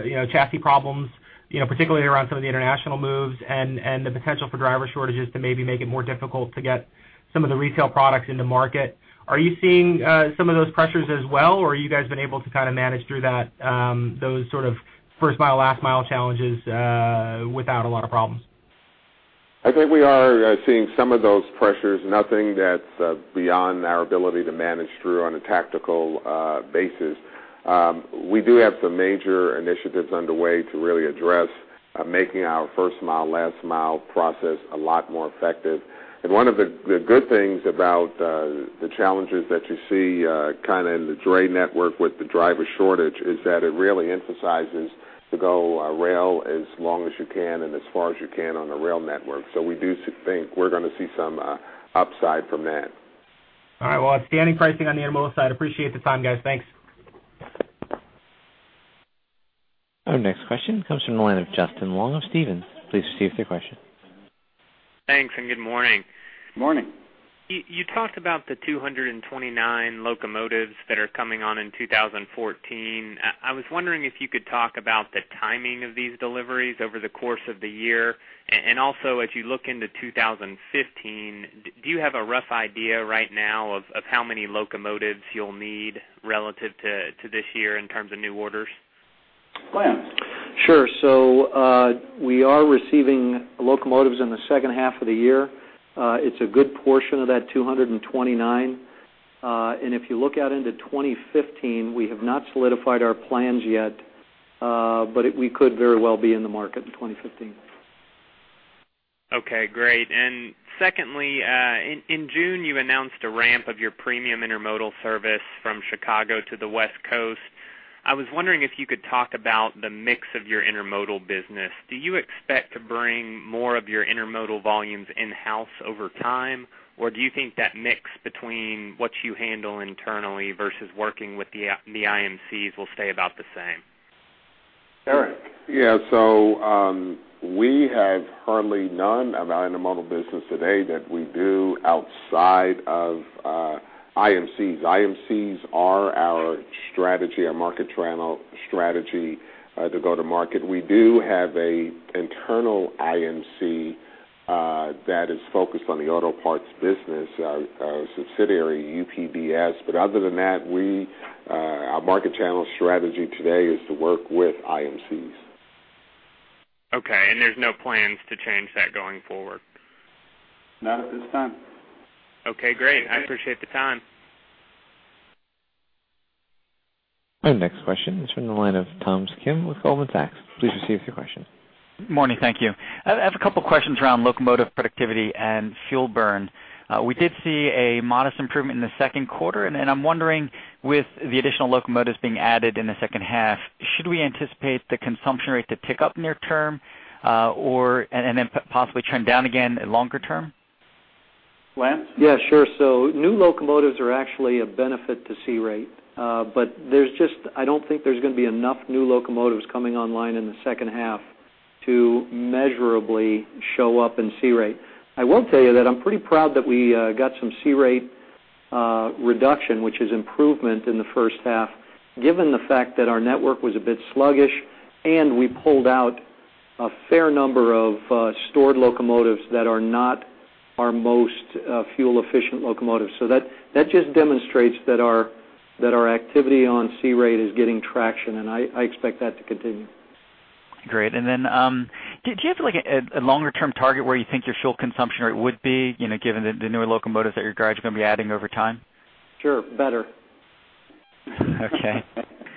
you know, chassis problems, you know, particularly around some of the international moves and the potential for driver shortages to maybe make it more difficult to get some of the retail products into market. Are you seeing some of those pressures as well, or are you guys been able to kind of manage through that, those sort of first mile, last mile challenges without a lot of problems? I think we are seeing some of those pressures, nothing that's beyond our ability to manage through on a tactical basis. We do have some major initiatives underway to really address making our first mile, last mile process a lot more effective. And one of the good things about the challenges that you see kind of in the dray network with the driver shortage is that it really emphasizes to go rail as long as you can and as far as you can on the rail network. So we do think we're gonna see some upside from that. All right. Well, outstanding pricing on the intermodal side. Appreciate the time, guys. Thanks. Our next question comes from the line of Justin Long of Stephens. Please proceed with your question. Thanks, and good morning. Morning. You talked about the 229 locomotives that are coming on in 2014. I was wondering if you could talk about the timing of these deliveries over the course of the year. And also, as you look into 2015, do you have a rough idea right now of how many locomotives you'll need relative to this year in terms of new orders? Lance? Sure. So, we are receiving locomotives in the second half of the year. It's a good portion of that 229. And if you look out into 2015, we have not solidified our plans yet, but we could very well be in the market in 2015. Okay, great. And secondly, in June, you announced a ramp of your premium intermodal service from Chicago to the West Coast. I was wondering if you could talk about the mix of your intermodal business. Do you expect to bring more of your intermodal volumes in-house over time, or do you think that mix between what you handle internally versus working with the IMCs will stay about the same? Eric? Yeah. So, we have hardly none of our intermodal business today that we do outside of IMCs. IMCs are our strategy, our market channel strategy to go to market. We do have an internal IMC that is focused on the auto parts business, subsidiary, UPDS. But other than that, we, our market channel strategy today is to work with IMCs. Okay, and there's no plans to change that going forward? Not at this time. Okay, great. I appreciate the time. Our next question is from the line of Tom Kim with Goldman Sachs. Please proceed with your question. Morning. Thank you. I have a couple of questions around locomotive productivity and fuel burn. We did see a modest improvement in the second quarter, and I'm wondering, with the additional locomotives being added in the second half, should we anticipate the consumption rate to pick up near term, or and then possibly trend down again longer term? Lance? Yeah, sure. So new locomotives are actually a benefit to OR, but there's just, I don't think there's going to be enough new locomotives coming online in the second half to measurably show up in OR. I will tell you that I'm pretty proud that we got some OR reduction, which is improvement in the first half, given the fact that our network was a bit sluggish and we pulled out a fair number of stored locomotives that are not our most fuel-efficient locomotives. So that, that just demonstrates that our, that our activity on OR is getting traction, and I, I expect that to continue. Great. And then, do you have, like, a longer-term target where you think your fuel consumption rate would be, you know, given the newer locomotives that your guys are going to be adding over time? Sure. Better.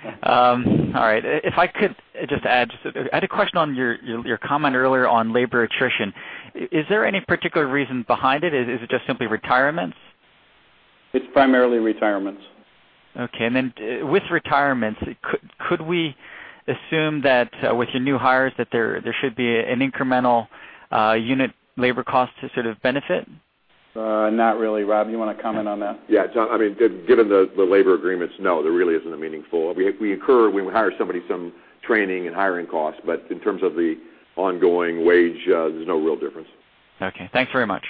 Okay. All right, if I could just add, I had a question on your comment earlier on labor attrition. Is there any particular reason behind it? Is it just simply retirements? It's primarily retirements. Okay. And then, with retirements, could we assume that, with your new hires, that there should be an incremental, unit labor cost to sort of benefit? Not really. Rob, you want to comment on that? Yeah, John, I mean, given the, the labor agreements, no, there really isn't a meaningful—we, we incur, when we hire somebody, some training and hiring costs, but in terms of the ongoing wage, there's no real difference. Okay. Thanks very much.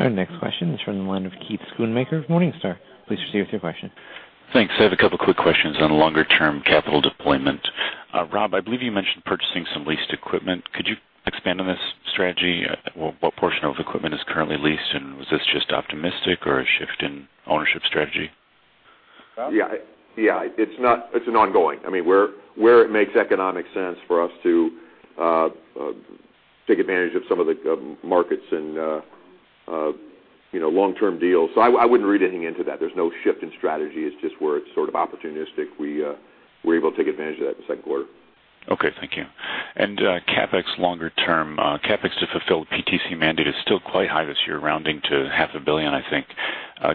Our next question is from the line of Keith Schoonmaker of Morningstar. Please proceed with your question. Thanks. I have a couple quick questions on longer-term capital deployment. Rob, I believe you mentioned purchasing some leased equipment. Could you expand on this strategy? Well, what portion of equipment is currently leased, and was this just optimistic or a shift in ownership strategy? Yeah. Yeah, it's not. It's an ongoing. I mean, where it makes economic sense for us to take advantage of some of the markets and, you know, long-term deals. So I wouldn't read anything into that. There's no shift in strategy. It's just where it's sort of opportunistic. We're able to take advantage of that in the second quarter. Okay, thank you. And, CapEx longer term, CapEx to fulfill PTC mandate is still quite high this year, rounding to $500 million, I think.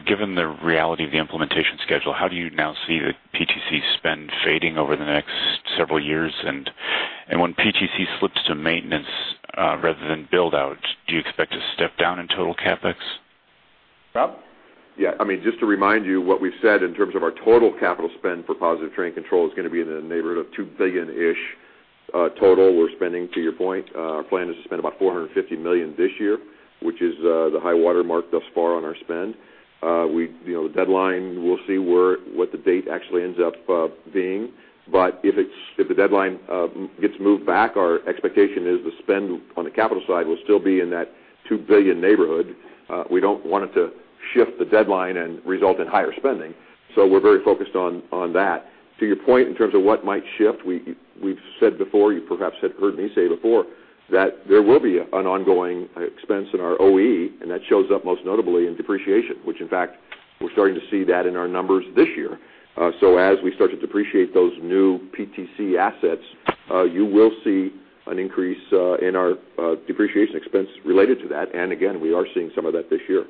Given the reality of the implementation schedule, how do you now see the PTC spend fading over the next several years? And, and when PTC slips to maintenance, rather than build out, do you expect to step down in total CapEx? Rob? Yeah. I mean, just to remind you, what we've said in terms of our total capital spend for Positive Train Control is going to be in the neighborhood of $2 billion-ish, total. We're spending, to your point, our plan is to spend about $450 million this year, which is, the high water mark thus far on our spend. You know, the deadline, we'll see where, what the date actually ends up, being. But if it's, if the deadline, gets moved back, our expectation is the spend on the capital side will still be in that $2 billion neighborhood. We don't want it to shift the deadline and result in higher spending, so we're very focused on that. To your point, in terms of what might shift, we've said before, you perhaps had heard me say before, that there will be an ongoing expense in our OE, and that shows up most notably in depreciation, which, in fact, we're starting to see that in our numbers this year. So as we start to depreciate those new PTC assets, you will see an increase in our depreciation expense related to that. And again, we are seeing some of that this year.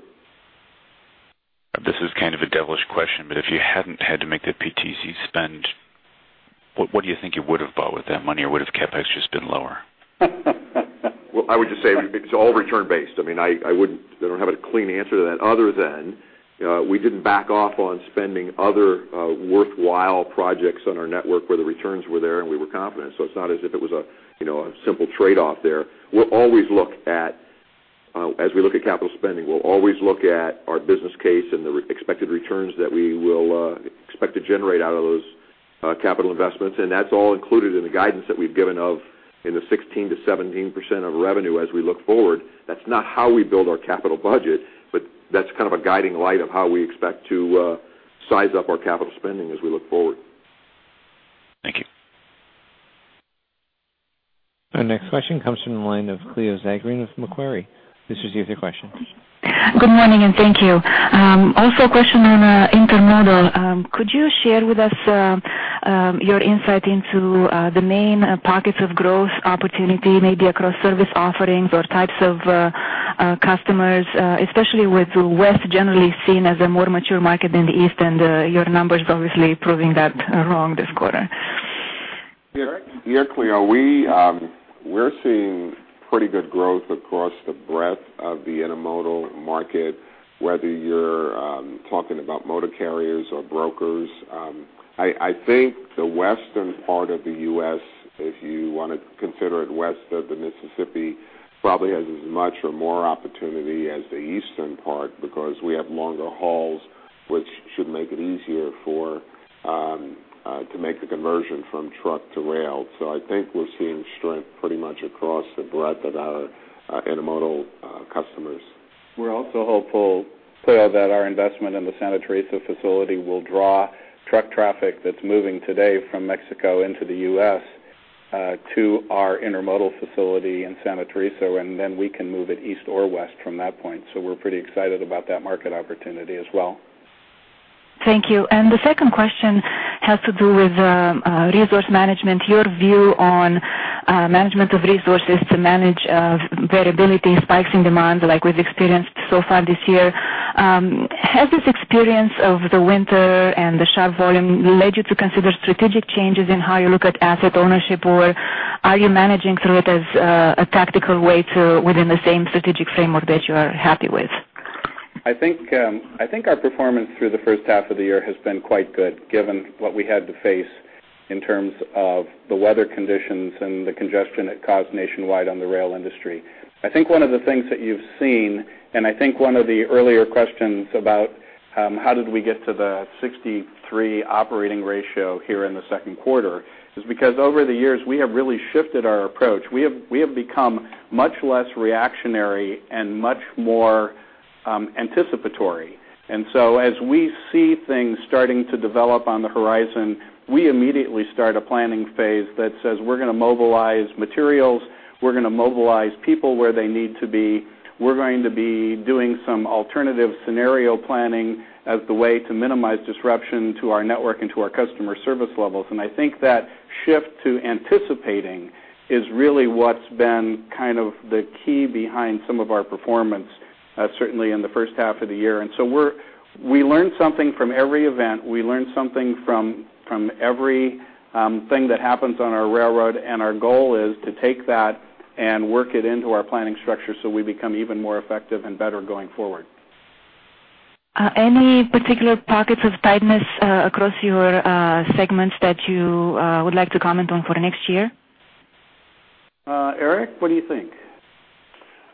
This is kind of a devilish question, but if you hadn't had to make the PTC spend, what, what do you think you would have bought with that money, or would have CapEx just been lower? Well, I would just say it's all return based. I mean, I wouldn't... I don't have a clean answer to that other than, we didn't back off on spending other, worthwhile projects on our network where the returns were there, and we were confident. So it's not as if it was a, you know, a simple trade-off there. We'll always look at, as we look at capital spending, we'll always look at our business case and the expected returns that we will, expect to generate out of those, capital investments, and that's all included in the guidance that we've given of 16%-17% of revenue as we look forward. That's not how we build our capital budget, but that's kind of a guiding light of how we expect to, size up our capital spending as we look forward. Thank you. Our next question comes from the line of Cleo Zagrean with Macquarie. Please proceed with your question. Good morning, and thank you. Also a question on intermodal. Could you share with us your insight into the main pockets of growth opportunity, maybe across service offerings or types of customers, especially with West generally seen as a more mature market than the East, and your numbers obviously proving that wrong this quarter? Yeah, Cleo, we, we're seeing pretty good growth across the breadth of the intermodal market, whether you're, talking about motor carriers or brokers. I, I think the western part of the U.S., if you want to consider it west of the Mississippi, probably has as much or more opportunity as the eastern part because we have longer hauls, which should make it easier for, to make the conversion from truck to rail. So I think we're seeing strength pretty much across the breadth of our, intermodal, customers. We're also hopeful, Cleo, that our investment in the Santa Teresa facility will draw truck traffic that's moving today from Mexico into the US to our intermodal facility in Santa Teresa, and then we can move it east or west from that point. We're pretty excited about that market opportunity as well. Thank you. And the second question has to do with resource management, your view on management of resources to manage variability, spikes in demand, like we've experienced so far this year. Has this experience of the winter and the sharp volume led you to consider strategic changes in how you look at asset ownership, or are you managing through it as a tactical way to within the same strategic framework that you are happy with? I think, I think our performance through the first half of the year has been quite good, given what we had to face in terms of the weather conditions and the congestion it caused nationwide on the rail industry. I think one of the things that you've seen, and I think one of the earlier questions about, how did we get to the 63 operating ratio here in the second quarter, is because over the years, we have really shifted our approach. We have, we have become much less reactionary and much more, Aticipatory. And so as we see things starting to develop on the horizon, we immediately start a planning phase that says, we're gonna mobilize materials, we're gonna mobilize people where they need to be. We're going to be doing some alternative scenario planning as the way to minimize disruption to our network and to our customer service levels. And I think that shift to anticipating is really what's been kind of the key behind some of our performance, certainly in the first half of the year. And so we learn something from every event. We learn something from every thing that happens on our railroad, and our goal is to take that and work it into our planning structure so we become even more effective and better going forward. Any particular pockets of tightness across your segments that you would like to comment on for the next year? Eric, what do you think?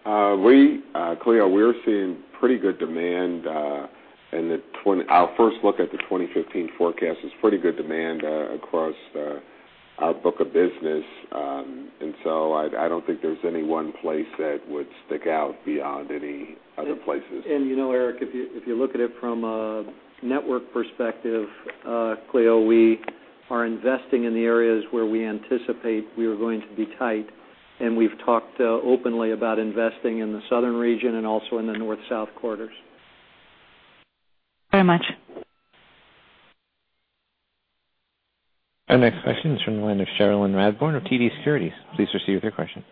We, Cleo, we're seeing pretty good demand, and our first look at the 2015 forecast is pretty good demand across our book of business. And so I don't think there's any one place that would stick out beyond any other places. You know, Eric, if you, if you look at it from a network perspective, Cleo, we are investing in the areas where we anticipate we are going to be tight, and we've talked openly about investing in the southern region and also in the north-south corridors. Very much. Our next question is from the line of Cherilyn Radbourne of TD Securities. Please proceed with your question.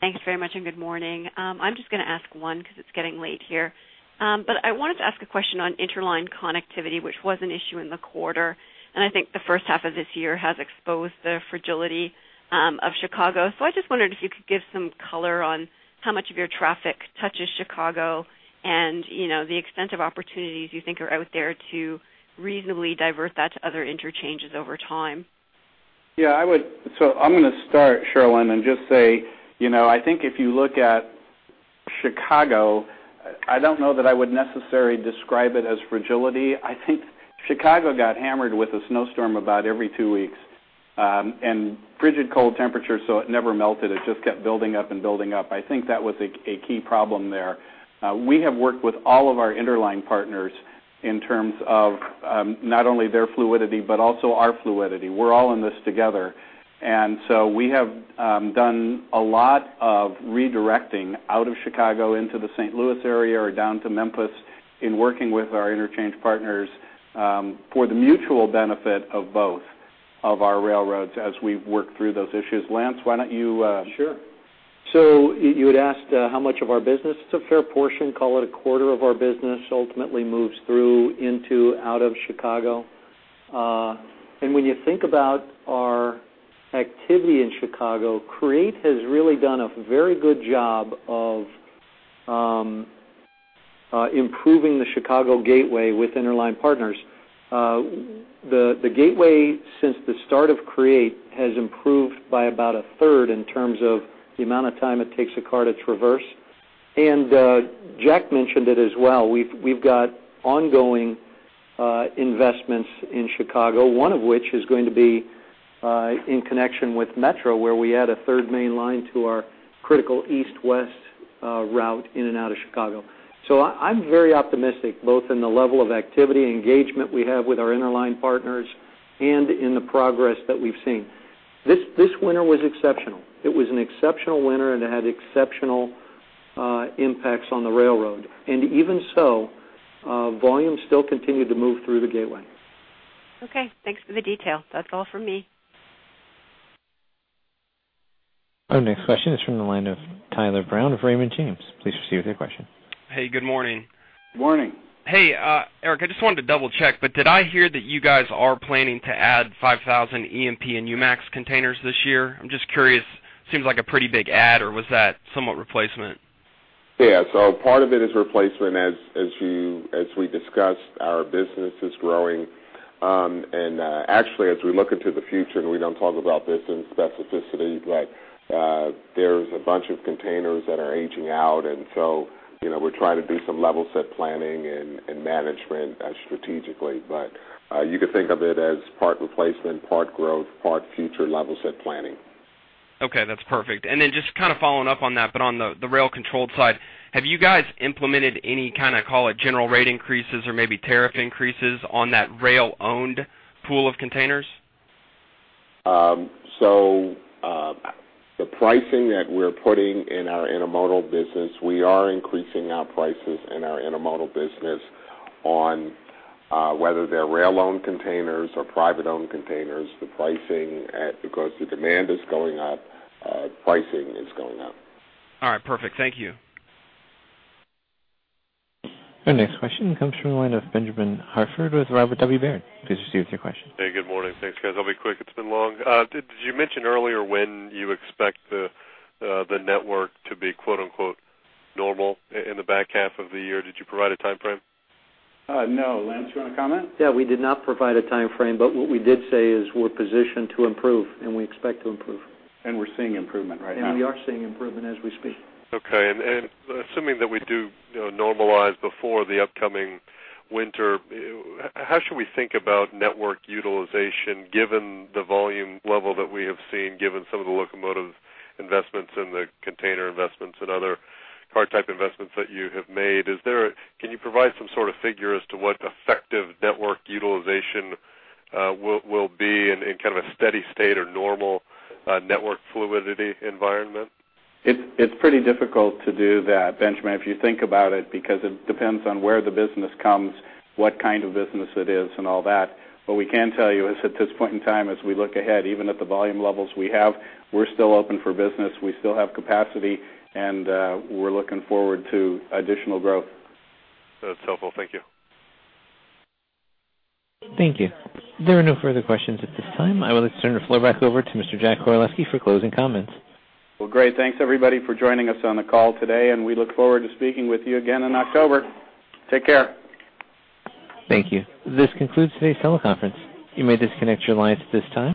Thanks very much, and good morning. I'm just gonna ask one because it's getting late here. But I wanted to ask a question on interline connectivity, which was an issue in the quarter, and I think the first half of this year has exposed the fragility of Chicago. So I just wondered if you could give some color on how much of your traffic touches Chicago and, you know, the extent of opportunities you think are out there to reasonably divert that to other interchanges over time. Yeah, I would. So I'm gonna start, Cherilyn, and just say, you know, I think if you look at Chicago, I don't know that I would necessarily describe it as fragility. I think Chicago got hammered with a snowstorm about every two weeks, and frigid cold temperatures, so it never melted. It just kept building up and building up. I think that was a key problem there. We have worked with all of our interline partners in terms of, not only their fluidity but also our fluidity. We're all in this together, and so we have done a lot of redirecting out of Chicago into the St. Louis area or down to Memphis in working with our interchange partners, for the mutual benefit of both of our railroads as we work through those issues. Lance, why don't you? Sure. So you had asked how much of our business? It's a fair portion. Call it a quarter of our business ultimately moves through, into, out of Chicago. And when you think about our activity in Chicago, CREATE has really done a very good job of improving the Chicago gateway with interline partners. The gateway, since the start of CREATE, has improved by about a third in terms of the amount of time it takes a car to traverse. And Jack mentioned it as well. We've got ongoing investments in Chicago, one of which is going to be in connection with Metra, where we add a third main line to our critical east-west route in and out of Chicago. I'm very optimistic both in the level of activity and engagement we have with our interline partners and in the progress that we've seen. This winter was exceptional. It was an exceptional winter, and it had exceptional impacts on the railroad. Even so, volume still continued to move through the gateway. Okay, thanks for the detail. That's all for me. Our next question is from the line of Tyler Brown of Raymond James. Please proceed with your question. Hey, good morning. Morning. Hey, Eric, I just wanted to double-check, but did I hear that you guys are planning to add 5,000 EMP and UMAX containers this year? I'm just curious. Seems like a pretty big add, or was that somewhat replacement? Yeah, so part of it is replacement. As we discussed, our business is growing. And actually, as we look into the future, and we don't talk about this in specificity, but there's a bunch of containers that are aging out, and so, you know, we're trying to do some level set planning and management strategically. But you could think of it as part replacement, part growth, part future level set planning. Okay, that's perfect. And then just kind of following up on that, but on the rail-controlled side, have you guys implemented any kind of, call it, general rate increases or maybe tariff increases on that rail-owned pool of containers? So, the pricing that we're putting in our Intermodal business, we are increasing our prices in our Intermodal business on whether they're rail-owned containers or private-owned containers. The pricing, because the demand is going up, pricing is going up. All right, perfect. Thank you. Our next question comes from the line of Benjamin Hartford with Robert W. Baird. Please proceed with your question. Hey, good morning. Thanks, guys. I'll be quick. It's been long. Did you mention earlier when you expect the, the network to be, quote, unquote, "normal" in the back half of the year? Did you provide a timeframe? No. Lance, you want to comment? Yeah, we did not provide a timeframe, but what we did say is we're positioned to improve, and we expect to improve. We're seeing improvement right now. We are seeing improvement as we speak. Okay, and assuming that we do, you know, normalize before the upcoming winter, how should we think about network utilization, given the volume level that we have seen, given some of the locomotive investments and the container investments and other car type investments that you have made? Is there a... Can you provide some sort of figure as to what effective network utilization will be in kind of a steady state or normal network fluidity environment? It's pretty difficult to do that, Benjamin, if you think about it, because it depends on where the business comes, what kind of business it is, and all that. What we can tell you is, at this point in time, as we look ahead, even at the volume levels we have, we're still open for business, we still have capacity, and we're looking forward to additional growth. That's helpful. Thank you. Thank you. There are no further questions at this time. I would like to turn the floor back over to Mr. Jack Koraleski for closing comments. Well, great. Thanks, everybody, for joining us on the call today, and we look forward to speaking with you again in October. Take care. Thank you. This concludes today's teleconference. You may disconnect your lines at this time.